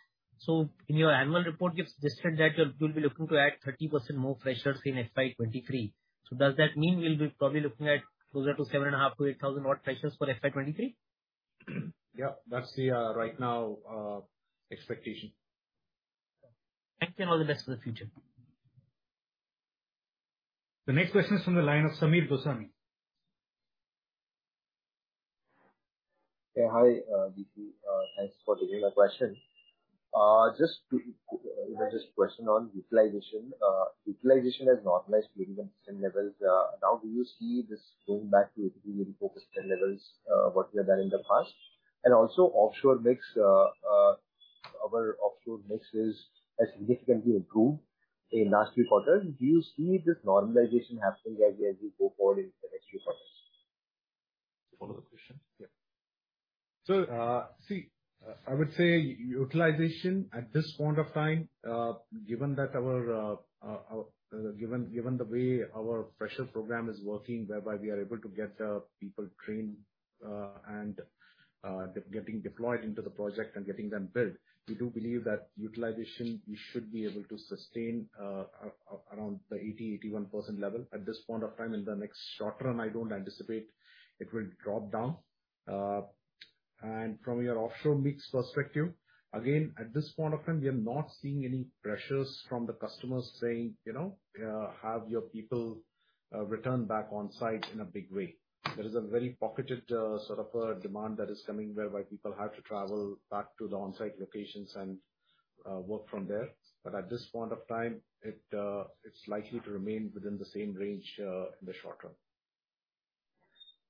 In your annual report, you've described that you'll be looking to add 30% more freshers in FY 2023. Does that mean we'll be probably looking at closer to 7,500-8,000 more freshers for FY 2023? Yeah. That's the right now expectation. Thank you, and all the best for the future. The next question is from the line of Sameer Dosani. Yeah, hi, DC. Thanks for taking the question. You know, just question on utilization. Utilization has normalized to 81% levels. Now do you see this going back to 84% levels, what we have done in the past? Also offshore mix, our offshore mix has significantly improved in last three quarters. Do you see this normalization happening as we go forward in the next few quarters? Follow the question. I would say utilization at this point of time, given the way our fresher program is working, whereby we are able to get people trained and getting deployed into the project and getting them billed, we do believe that utilization we should be able to sustain around the 80%, 81% level at this point of time. In the next short term, I don't anticipate it will drop down. From your offshore mix perspective, again, at this point of time, we are not seeing any pressures from the customers saying, you know, have your people return back on site in a big way. There is a very pocketed, sort of a demand that is coming whereby people have to travel back to the on-site locations and, work from there. At this point of time, it's likely to remain within the same range, in the short term.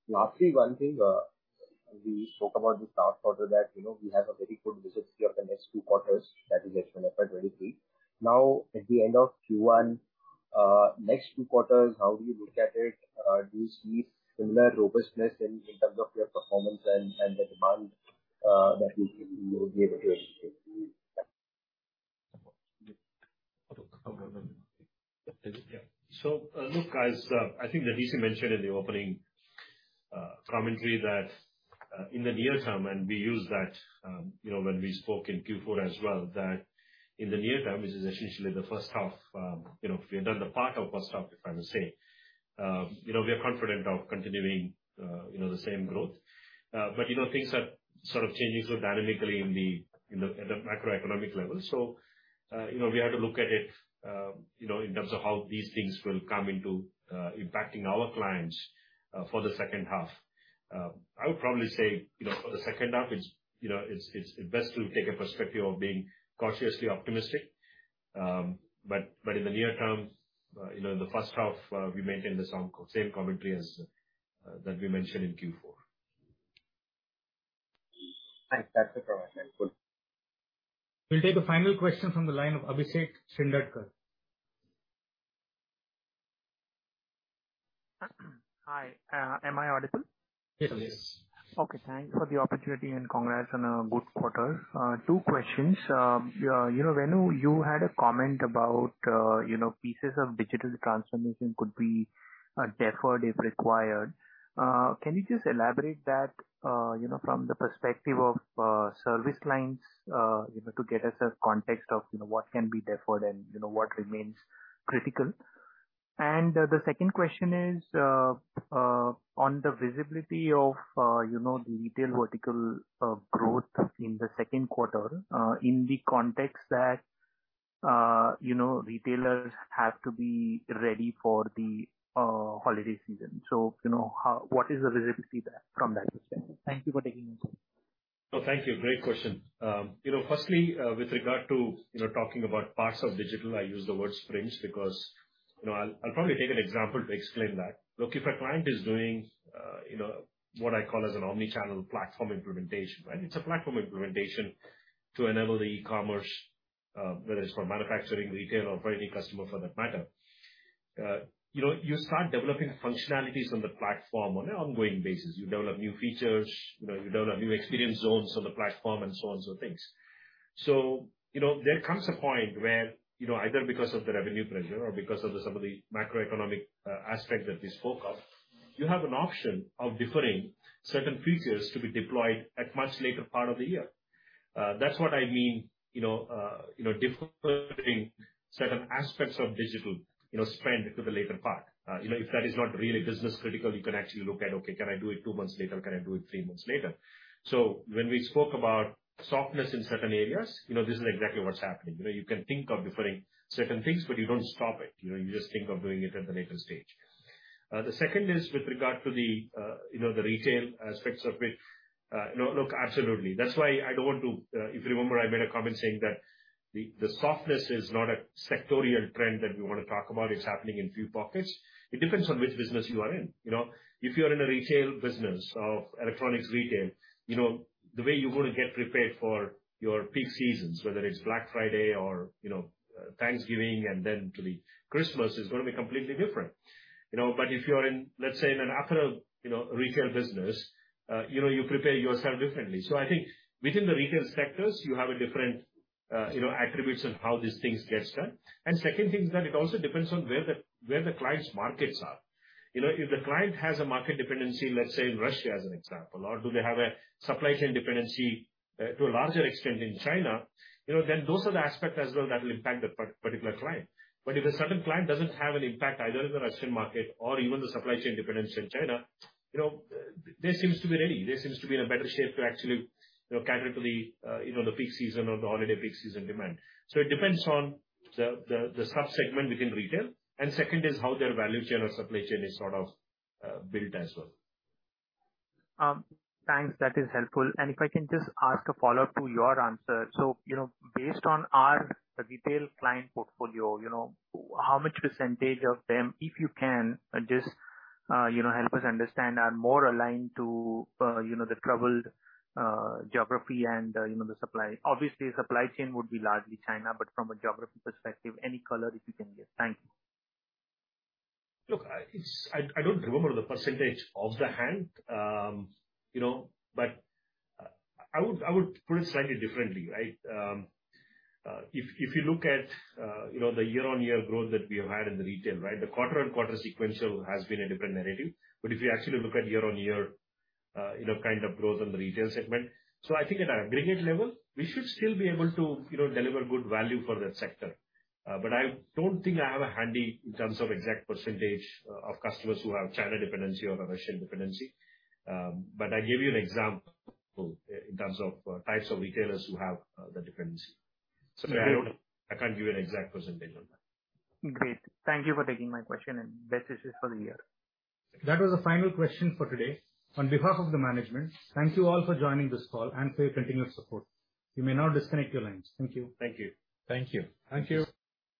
Lastly, one thing, we spoke about this last quarter that, you know, we have a very good visibility of the next two quarters that is FY 2023. Now at the end of Q1, next two quarters, how do you look at it? Do you see similar robustness in terms of your performance and the demand that you will be able to execute? Yeah. Look, guys, I think that DC mentioned in the opening commentary that in the near term, and we used that, you know, when we spoke in Q4 as well, that in the near term, which is essentially the first half, you know, we have done the part of first half, if I may say. You know, we are confident of continuing, you know, the same growth. You know, things are sort of changing so dynamically in the macroeconomic level. You know, we have to look at it, you know, in terms of how these things will come into impacting our clients for the second half. I would probably say, you know, for the second half, it's best to take a perspective of being cautiously optimistic. In the near term, you know, in the first half, we maintain the same commentary as that we mentioned in Q4. Thanks. That's a provision. Cool. We'll take a final question from the line of Abhishek Shindadkar. Hi. Am I audible? Yes, please. Okay, thanks for the opportunity and congrats on a good quarter. Two questions. You know, Venu, you had a comment about, you know, pieces of digital transformation could be deferred if required. Can you just elaborate that, you know, from the perspective of service lines, you know, to get us a context of, you know, what can be deferred and, you know, what remains critical. The second question is on the visibility of, you know, the retail vertical growth in the second quarter, in the context that, you know, retailers have to be ready for the holiday season. You know, what is the visibility there from that perspective? Thank you for taking my call. No, thank you. Great question. You know, firstly, with regard to, you know, talking about parts of digital, I use the word sprints because, you know, I'll probably take an example to explain that. Look, if a client is doing, you know, what I call as an omni-channel platform implementation, right? It's a platform implementation to enable the e-commerce, whether it's for manufacturing, retail or for any customer for that matter. You know, you develop new features, you know, you develop new experience zones on the platform and so on, so things. You know, there comes a point where, you know, either because of the revenue pressure or because of some of the macroeconomic aspects that we spoke of, you have an option of deferring certain features to be deployed at much later part of the year. That's what I mean, you know, you know, deferring certain aspects of digital, you know, spend to the later part. You know, if that is not really business critical, you can actually look at, okay, can I do it two months later? Can I do it three months later? When we spoke about softness in certain areas, you know, this is exactly what's happening. You know, you can think of deferring certain things, but you don't stop it. You know, you just think of doing it at the later stage. The second is with regard to the, you know, the retail aspects of it. Look, absolutely. That's why I don't want to. If you remember, I made a comment saying that the softness is not a sectoral trend that we wanna talk about. It's happening in few pockets. It depends on which business you are in. You know, if you are in a retail business of electronics retail, you know, the way you're gonna get prepared for your peak seasons, whether it's Black Friday or, you know, Thanksgiving and then to the Christmas is gonna be completely different. You know, but if you are in, let's say, in an apparel, you know, retail business, you know, you prepare yourself differently. I think within the retail sectors you have a different, you know, attributes on how these things gets done. Second thing is that it also depends on where the client's markets are. You know, if the client has a market dependency, let's say in Russia as an example, or do they have a supply chain dependency to a larger extent in China, you know, then those are the aspects as well that will impact the particular client. If a certain client doesn't have an impact either in the Russian market or even the supply chain dependence in China, you know, there seems to be in a better shape to actually, you know, cater to the peak season or the holiday peak season demand. It depends on the sub-segment within retail, and second is how their value chain or supply chain is sort of built as well. Thanks. That is helpful. If I can just ask a follow-up to your answer. So, you know, based on our retail client portfolio, you know, how much percentage of them, if you can, just, you know, help us understand, are more aligned to, you know, the troubled geography and, you know, the supply. Obviously, supply chain would be largely China, but from a geography perspective, any color if you can give. Thank you. Look, I don't remember the percentage off hand. You know, I would put it slightly differently, right? If you look at you know, the year-on-year growth that we have had in the retail, right? The quarter-on-quarter sequential has been a different narrative. If you actually look at year-on-year, you know, kind of growth on the retail segment. I think at an aggregate level, we should still be able to you know, deliver good value for that sector. I don't think I have it handy in terms of exact percentage of customers who have China dependency or Russian dependency. I gave you an example in terms of types of retailers who have the dependency. I can't give you an exact percentage on that. Great. Thank you for taking my question, and best wishes for the year. That was the final question for today. On behalf of the management, thank you all for joining this call and for your continuous support. You may now disconnect your lines. Thank you. Thank you. Thank you. Thank you.